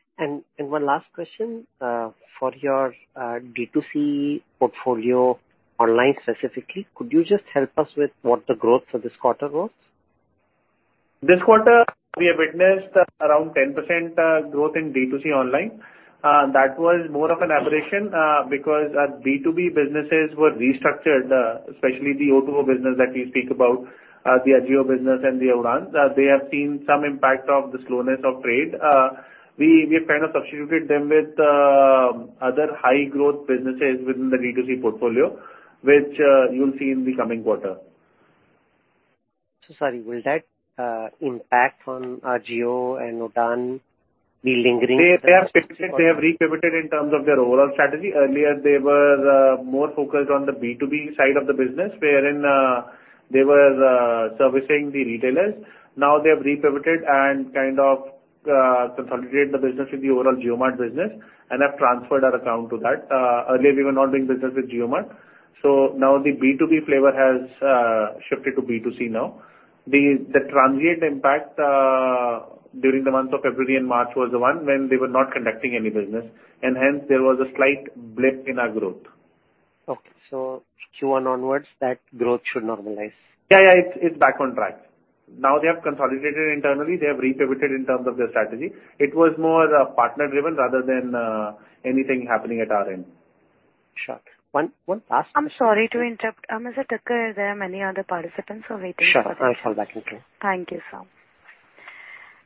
Speaker 10: one last question, for your D2C portfolio, online specifically, could you just help us with what the growth for this quarter was?
Speaker 3: This quarter, we have witnessed around 10% growth in D2C online. That was more of an aberration because our B2B businesses were restructured, especially the O2O business that we speak about, the AJIO business and the Udaan. They have seen some impact of the slowness of trade. We have kind of substituted them with other high growth businesses within the D2C portfolio, which you'll see in the coming quarter.
Speaker 10: Sorry, will that impact on Ajio and Udaan be lingering?
Speaker 3: They have pivoted. They have repivoted in terms of their overall strategy. Earlier, they were more focused on the B2B side of the business, wherein they were servicing the retailers. Now they have repivoted and kind of consolidated the business with the overall JioMart business and have transferred our account to that. Earlier we were not doing business with JioMart, so now the B2B flavor has shifted to B2C now. The transient impact during the months of February and March was the one when they were not conducting any business, and hence there was a slight blip in our growth.
Speaker 10: Okay. Q1 onwards, that growth should normalize?
Speaker 3: Yeah, it's back on track. Now they have consolidated internally. They have repivoted in terms of their strategy. It was more partner-driven rather than anything happening at our end.
Speaker 10: Sure. One last.
Speaker 1: I'm sorry to interrupt. Mr. Thakkar, there are many other participants who are waiting for this.
Speaker 10: Sure, I'll fall back into.
Speaker 1: Thank you, sir.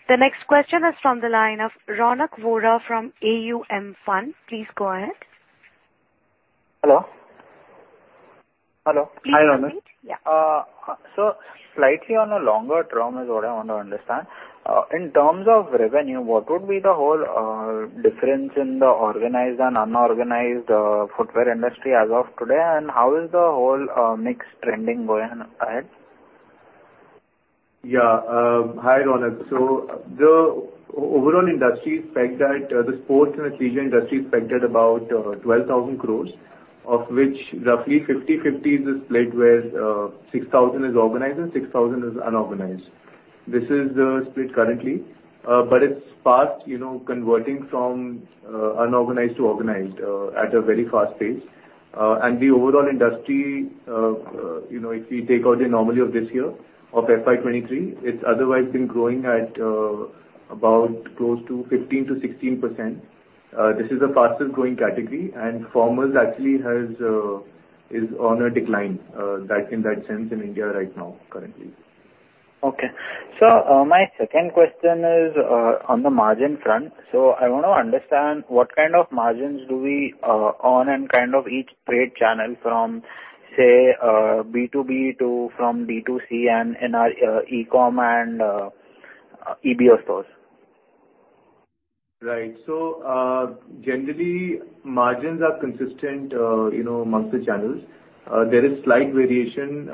Speaker 1: The next question is from the line of Ronak Vora from AUM Fund. Please go ahead.
Speaker 11: Hello? Hello.
Speaker 1: Hi, Ronak. Yeah.
Speaker 11: Slightly on a longer term is what I want to understand. In terms of revenue, what would be the whole difference in the organized and unorganized footwear industry as of today, and how is the whole mix trending going ahead?
Speaker 4: Hi, Ronak. The overall industry expect that the sports and athleisure industry expected about 12,000 crore, of which roughly 50/50 is split, where 6,000 is organized and 6,000 is unorganized. This is the split currently, but it's fast, you know, converting from unorganized to organized at a very fast pace. And the overall industry, you know, if we take out the anomaly of this year, of FY23, it's otherwise been growing at about close to 15%-16%. This is the fastest growing category, and formals actually is on a decline, that, in that sense in India right now, currently.
Speaker 11: My second question is on the margin front. I want to understand what kind of margins do we own in kind of each trade channel from, say, B2B to, from B2C and in our e-com and EBO stores?
Speaker 4: Right. Generally, margins are consistent, you know, amongst the channels. There is slight variation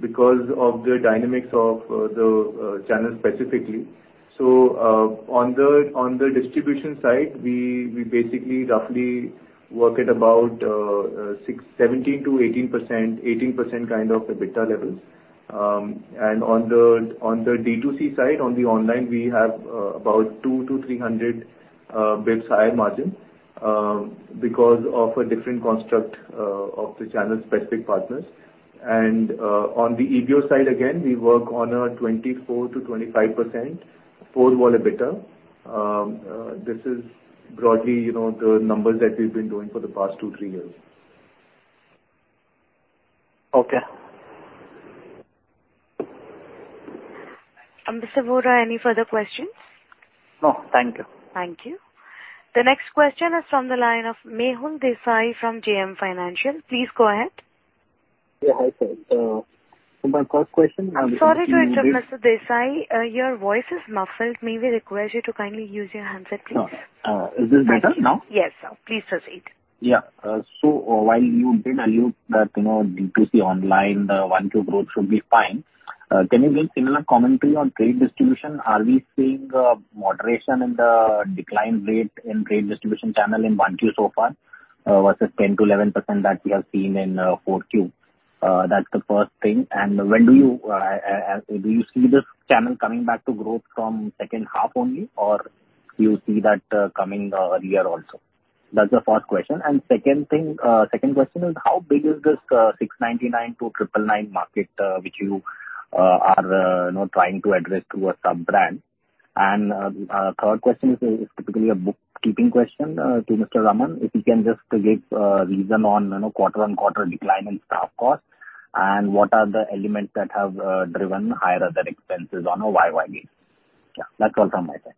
Speaker 4: because of the dynamics of the channel specifically. On the distribution side, we basically roughly work at about 17%-18% kind of EBITDA levels. On the D2C side, on the online, we have about 200-300 basis points higher margin because of a different construct of the channel-specific partners. On the EBO side, again, we work on a 24%-25% core wall EBITDA. This is broadly, you know, the numbers that we've been doing for the past 2, 3 years.
Speaker 11: Okay.
Speaker 1: Mr. Vora, any further questions?
Speaker 11: No, thank you.
Speaker 1: Thank you. The next question is from the line of Mehul Desai from JM Financial. Please go ahead.
Speaker 12: Yeah, hi, sir. my first.
Speaker 1: I'm sorry to interrupt, Mr. Desai. Your voice is muffled. May we request you to kindly use your handset, please?
Speaker 12: Is this better now?
Speaker 1: Yes, sir. Please proceed.
Speaker 12: While you did allude that, you know, D2C online, 1, 2 growth should be fine, can you give similar commentary on trade distribution? Are we seeing moderation in the decline rate in trade distribution channel in 1Q so far, versus 10%-11% that we have seen in 4Q? ... that's the first thing. When do you do you see this channel coming back to growth from second half only, or you see that coming earlier also? That's the first question. Second thing, second question is, how big is this 699 to 999 market which you are, you know, trying to address through a sub-brand? Third question is typically a bookkeeping question to Mr. Raman. If you can just give reason on, you know, quarter-on-quarter decline in staff cost, and what are the elements that have driven higher other expenses on a YY base. Yeah, that's all from my side.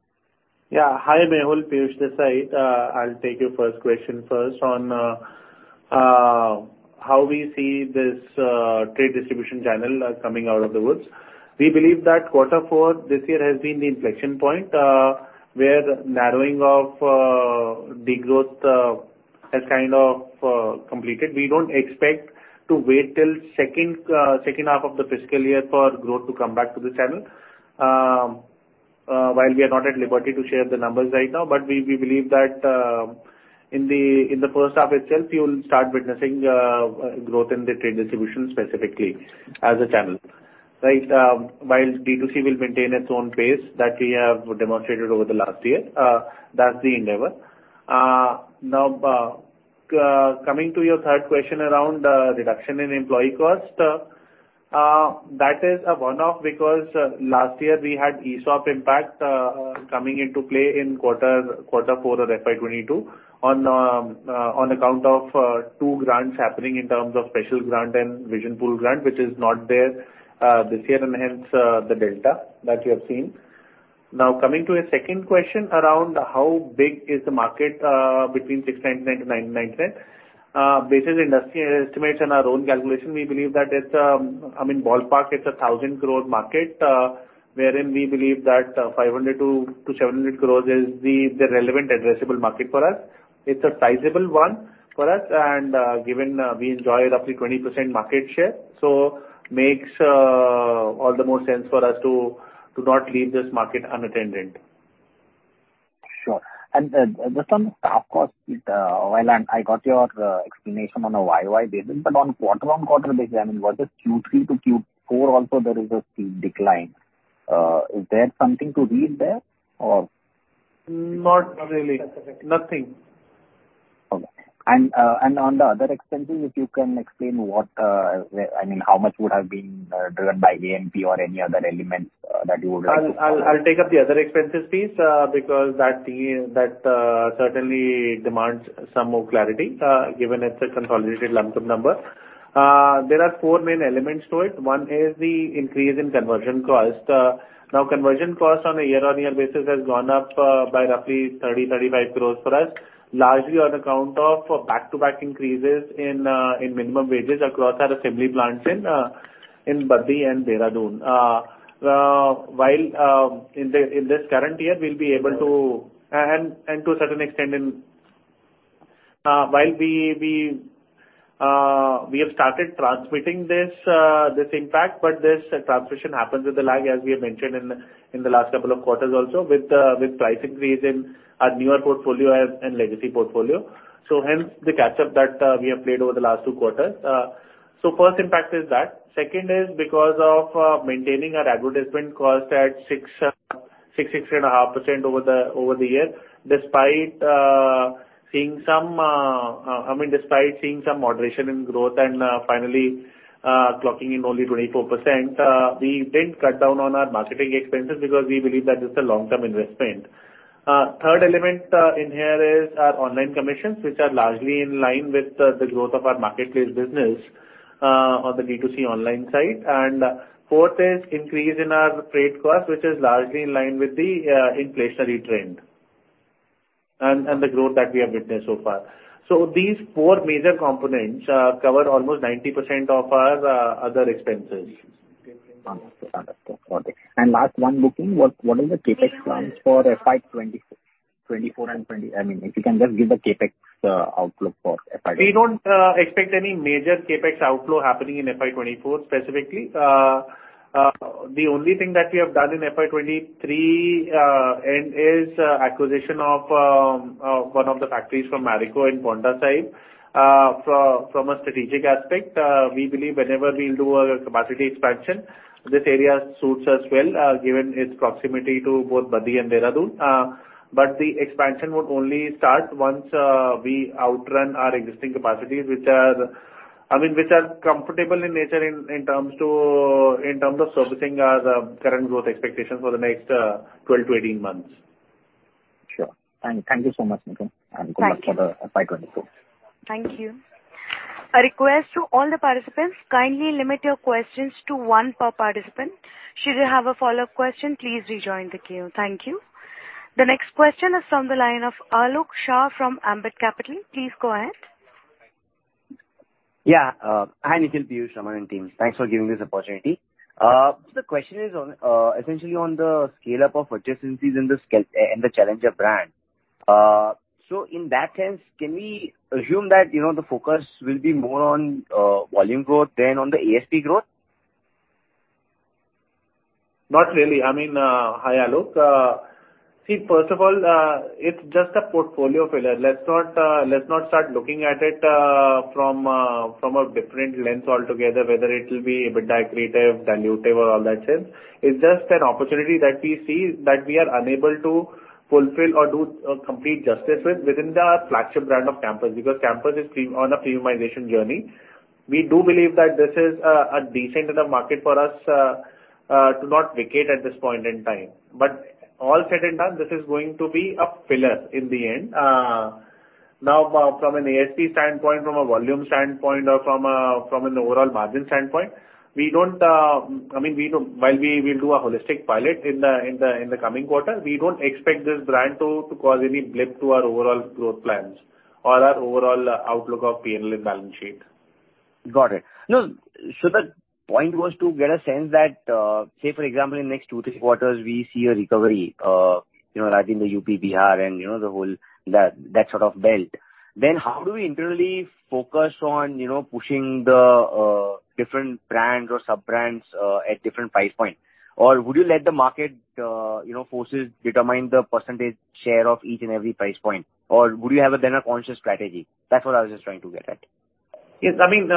Speaker 3: Yeah. Hi, Mehul, Piyush this side. I'll take your first question first on how we see this trade distribution channel coming out of the woods. We believe that quarter four this year has been the inflection point where narrowing of degrowth has kind of completed. We don't expect to wait till second half of the fiscal year for growth to come back to the channel. While we are not at liberty to share the numbers right now, but we believe that in the first half itself, you will start witnessing growth in the trade distribution specifically as a channel, right? While D2C will maintain its own pace that we have demonstrated over the last year, that's the endeavor. Now, coming to your third question around reduction in employee cost. That is a one-off, because last year we had ESOP impact coming into play in Q4 of FY22, on account of two grants happening in terms of Special Grant and Vision Pool Grant, which is not there this year, and hence the delta that you have seen. Now, coming to your second question around how big is the market between 699-999. Based on industry estimates and our own calculation, we believe that it's, I mean, ballpark, it's a 1,000 crore growth market, wherein we believe that 500 crore-700 crore is the relevant addressable market for us. It's a sizable one for us, and, given, we enjoy roughly 20% market share, so makes, all the more sense for us to not leave this market unattended.
Speaker 12: Sure. Just on staff cost, while I got your explanation on a YY basis, but on quarter-on-quarter basis, I mean, was it Q3 to Q4 also there is a steep decline? Is there something to read there or?
Speaker 3: Not really. Nothing.
Speaker 12: Okay. On the other expenses, if you can explain what, where, I mean, how much would have been driven by AMP or any other elements that you would like to highlight?
Speaker 2: I'll take up the other expenses piece, because that is, that certainly demands some more clarity, given it's a consolidated lump sum number. There are four main elements to it. One is the increase in conversion cost. Now, conversion cost on a year-on-year basis has gone up by roughly INR 30-35 crores for us. Largely on account of back-to-back increases in minimum wages across our assembly plants in Baddi and Dehradun. While in this current year, we'll be able to and to a certain extent, in while we have started transmitting this impact, but this transmission happens with a lag, as we have mentioned in the last couple of quarters also, with price increase in our newer portfolio as and legacy portfolio. Hence, the catch-up that we have played over the last two quarters. First impact is that. Second is because of maintaining our advertisement cost at 6.5% over the year. Despite seeing some, I mean, despite seeing some moderation in growth and finally clocking in only 24%, we didn't cut down on our marketing expenses because we believe that it's a long-term investment. Third element in here is our online commissions, which are largely in line with the growth of our marketplace business on the B2C online side. Fourth is increase in our freight cost, which is largely in line with the inflationary trend and the growth that we have witnessed so far. These four major components, cover almost 90% of our other expenses.
Speaker 12: Understood. Understood. Got it. Last one, booking. What are the CapEx plans? I mean, if you can just give the CapEx outlook for FY 2024?
Speaker 2: We don't expect any major CapEx outflow happening in FY 2024, specifically. The only thing that we have done in FY 2023 and is acquisition of one of the factories from Marico in Paonta Sahib. From a strategic aspect, we believe whenever we'll do a capacity expansion, this area suits us well, given its proximity to both Baddi and Dehradun. The expansion would only start once we outrun our existing capacities, which are, I mean, which are comfortable in nature, in terms of servicing our current growth expectations for the next 12 to 18 months.
Speaker 12: Sure. Thank you so much, Nikhil.
Speaker 2: Thank you.
Speaker 12: Good luck for the FY 2024.
Speaker 1: Thank you. A request to all the participants: Kindly limit your questions to one per participant. Should you have a follow-up question, please rejoin the queue. Thank you. The next question is from the line of Alok Shah from Ambit Capital. Please go ahead.
Speaker 13: Hi, Nikhil, Piyush, Raman, and team. Thanks for giving this opportunity. The question is on, essentially on the scale-up of purchase increases in the Challenger brand. In that sense, can we assume that, you know, the focus will be more on volume growth than on the ASP growth?
Speaker 3: Not really. I mean, hi, Alok. See, first of all, it's just a portfolio filler. Let's not, let's not start looking at it, from a different lens altogether, whether it will be EBITDA accretive, dilutive, or all that sense. It's just an opportunity that we see that we are unable to fulfill or do, complete justice with within the flagship brand of Campus, because Campus is on a premiumization journey. We do believe that this is, a decent in the market for us, to not vacate at this point in time. All said and done, this is going to be a filler in the end. From an ASP standpoint, from a volume standpoint, or from an overall margin standpoint, we don't, I mean, While we will do a holistic pilot in the coming quarter, we don't expect this brand to cause any blip to our overall growth plans or our overall outlook of P&L and balance sheet.
Speaker 13: Got it. The point was to get a sense that, say, for example, in the next 2, 3 quarters, we see a recovery, you know, like in the UP, Bihar, and, you know, the whole that sort of belt. How do we internally focus on, you know, pushing the different brands or sub-brands, at different price point? Would you let the market, you know, forces determine the percentage share of each and every price point? Would you have a brand conscious strategy? That's what I was just trying to get at.
Speaker 3: Yes, I mean,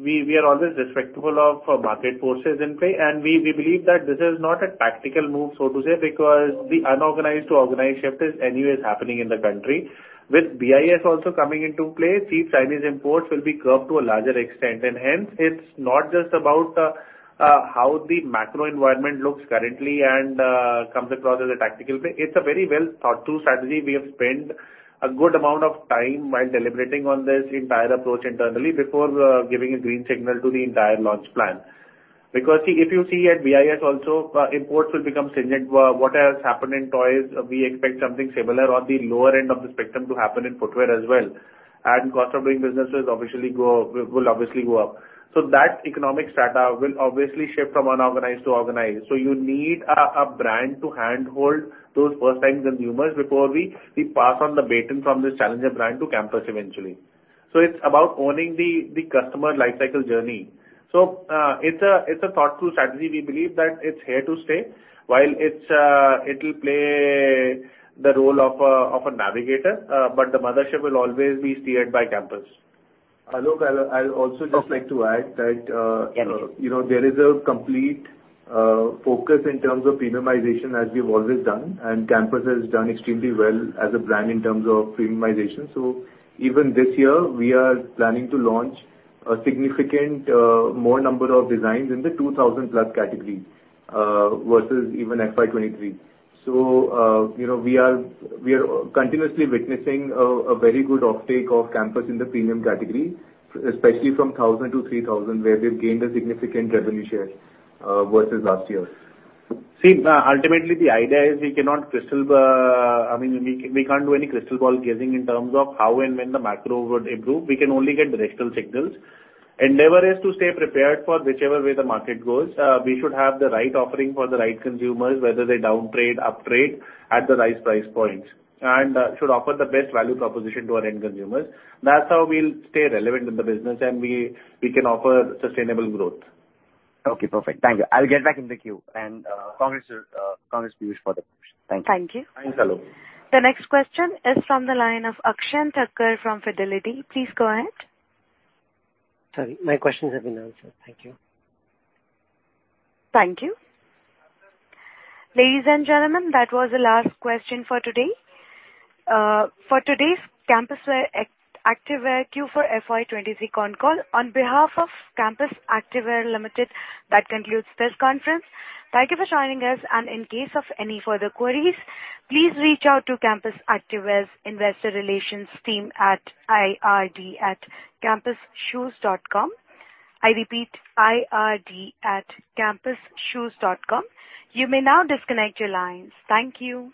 Speaker 3: we are always respectful of market forces in play, and we believe that this is not a tactical move, so to say, because the unorganized to organized shift is anyways happening in the country. With BIS also coming into play, cheap Chinese imports will be curbed to a larger extent, and hence, it's not just about how the macro environment looks currently and comes across as a tactical play. It's a very well thought through strategy. We have spent a good amount of time while deliberating on this entire approach internally before giving a green signal to the entire launch plan. Because, see, if you see at BIS also, imports will become significant. What has happened in toys, we expect something similar on the lower end of the spectrum to happen in footwear as well, and cost of doing businesses will obviously go up. That economic strata will obviously shift from unorganized to organized, so you need a brand to handhold those first-time consumers before we pass on the baton from this challenger brand to Campus eventually. It's about owning the customer life cycle journey. It's a thought through strategy. We believe that it's here to stay while it's, it'll play the role of a navigator, but the mothership will always be steered by Campus.
Speaker 2: Alok, I'll also just like to add that.
Speaker 13: Yeah.
Speaker 2: you know, there is a complete focus in terms of premiumization, as we've always done. Campus has done extremely well as a brand in terms of premiumization. Even this year, we are planning to launch a significant more number of designs in the 2,000 plus category versus even FY 2023. you know, we are continuously witnessing a very good offtake of Campus in the premium category, especially from 1,000-3,000, where we've gained a significant revenue share versus last year.
Speaker 3: Ultimately, the idea is we cannot crystal ball. I mean, we can't do any crystal ball gazing in terms of how and when the macro would improve. We can only get directional signals. Endeavor is to stay prepared for whichever way the market goes. We should have the right offering for the right consumers, whether they downtrade, uptrade, at the right price points, and should offer the best value proposition to our end consumers. That's how we'll stay relevant in the business, and we can offer sustainable growth.
Speaker 13: Okay, perfect. Thank you. I'll get back in the queue, and congrats to you for the promotion. Thank you.
Speaker 1: Thank you.
Speaker 3: Thanks, Alok.
Speaker 1: The next question is from the line of Akshen Thakkar from Fidelity. Please go ahead.
Speaker 10: Sorry, my questions have been answered. Thank you.
Speaker 1: Thank you. Ladies and gentlemen, that was the last question for today. for today's Campus Activewear Q4 for FY 2023 Con Call. On behalf of Campus Activewear Limited, that concludes this conference. Thank you for joining us, and in case of any further queries, please reach out to Campus Activewear's Investor Relations team at ird@campusshoes.com. I repeat, ird@campusshoes.com. You may now disconnect your lines. Thank you.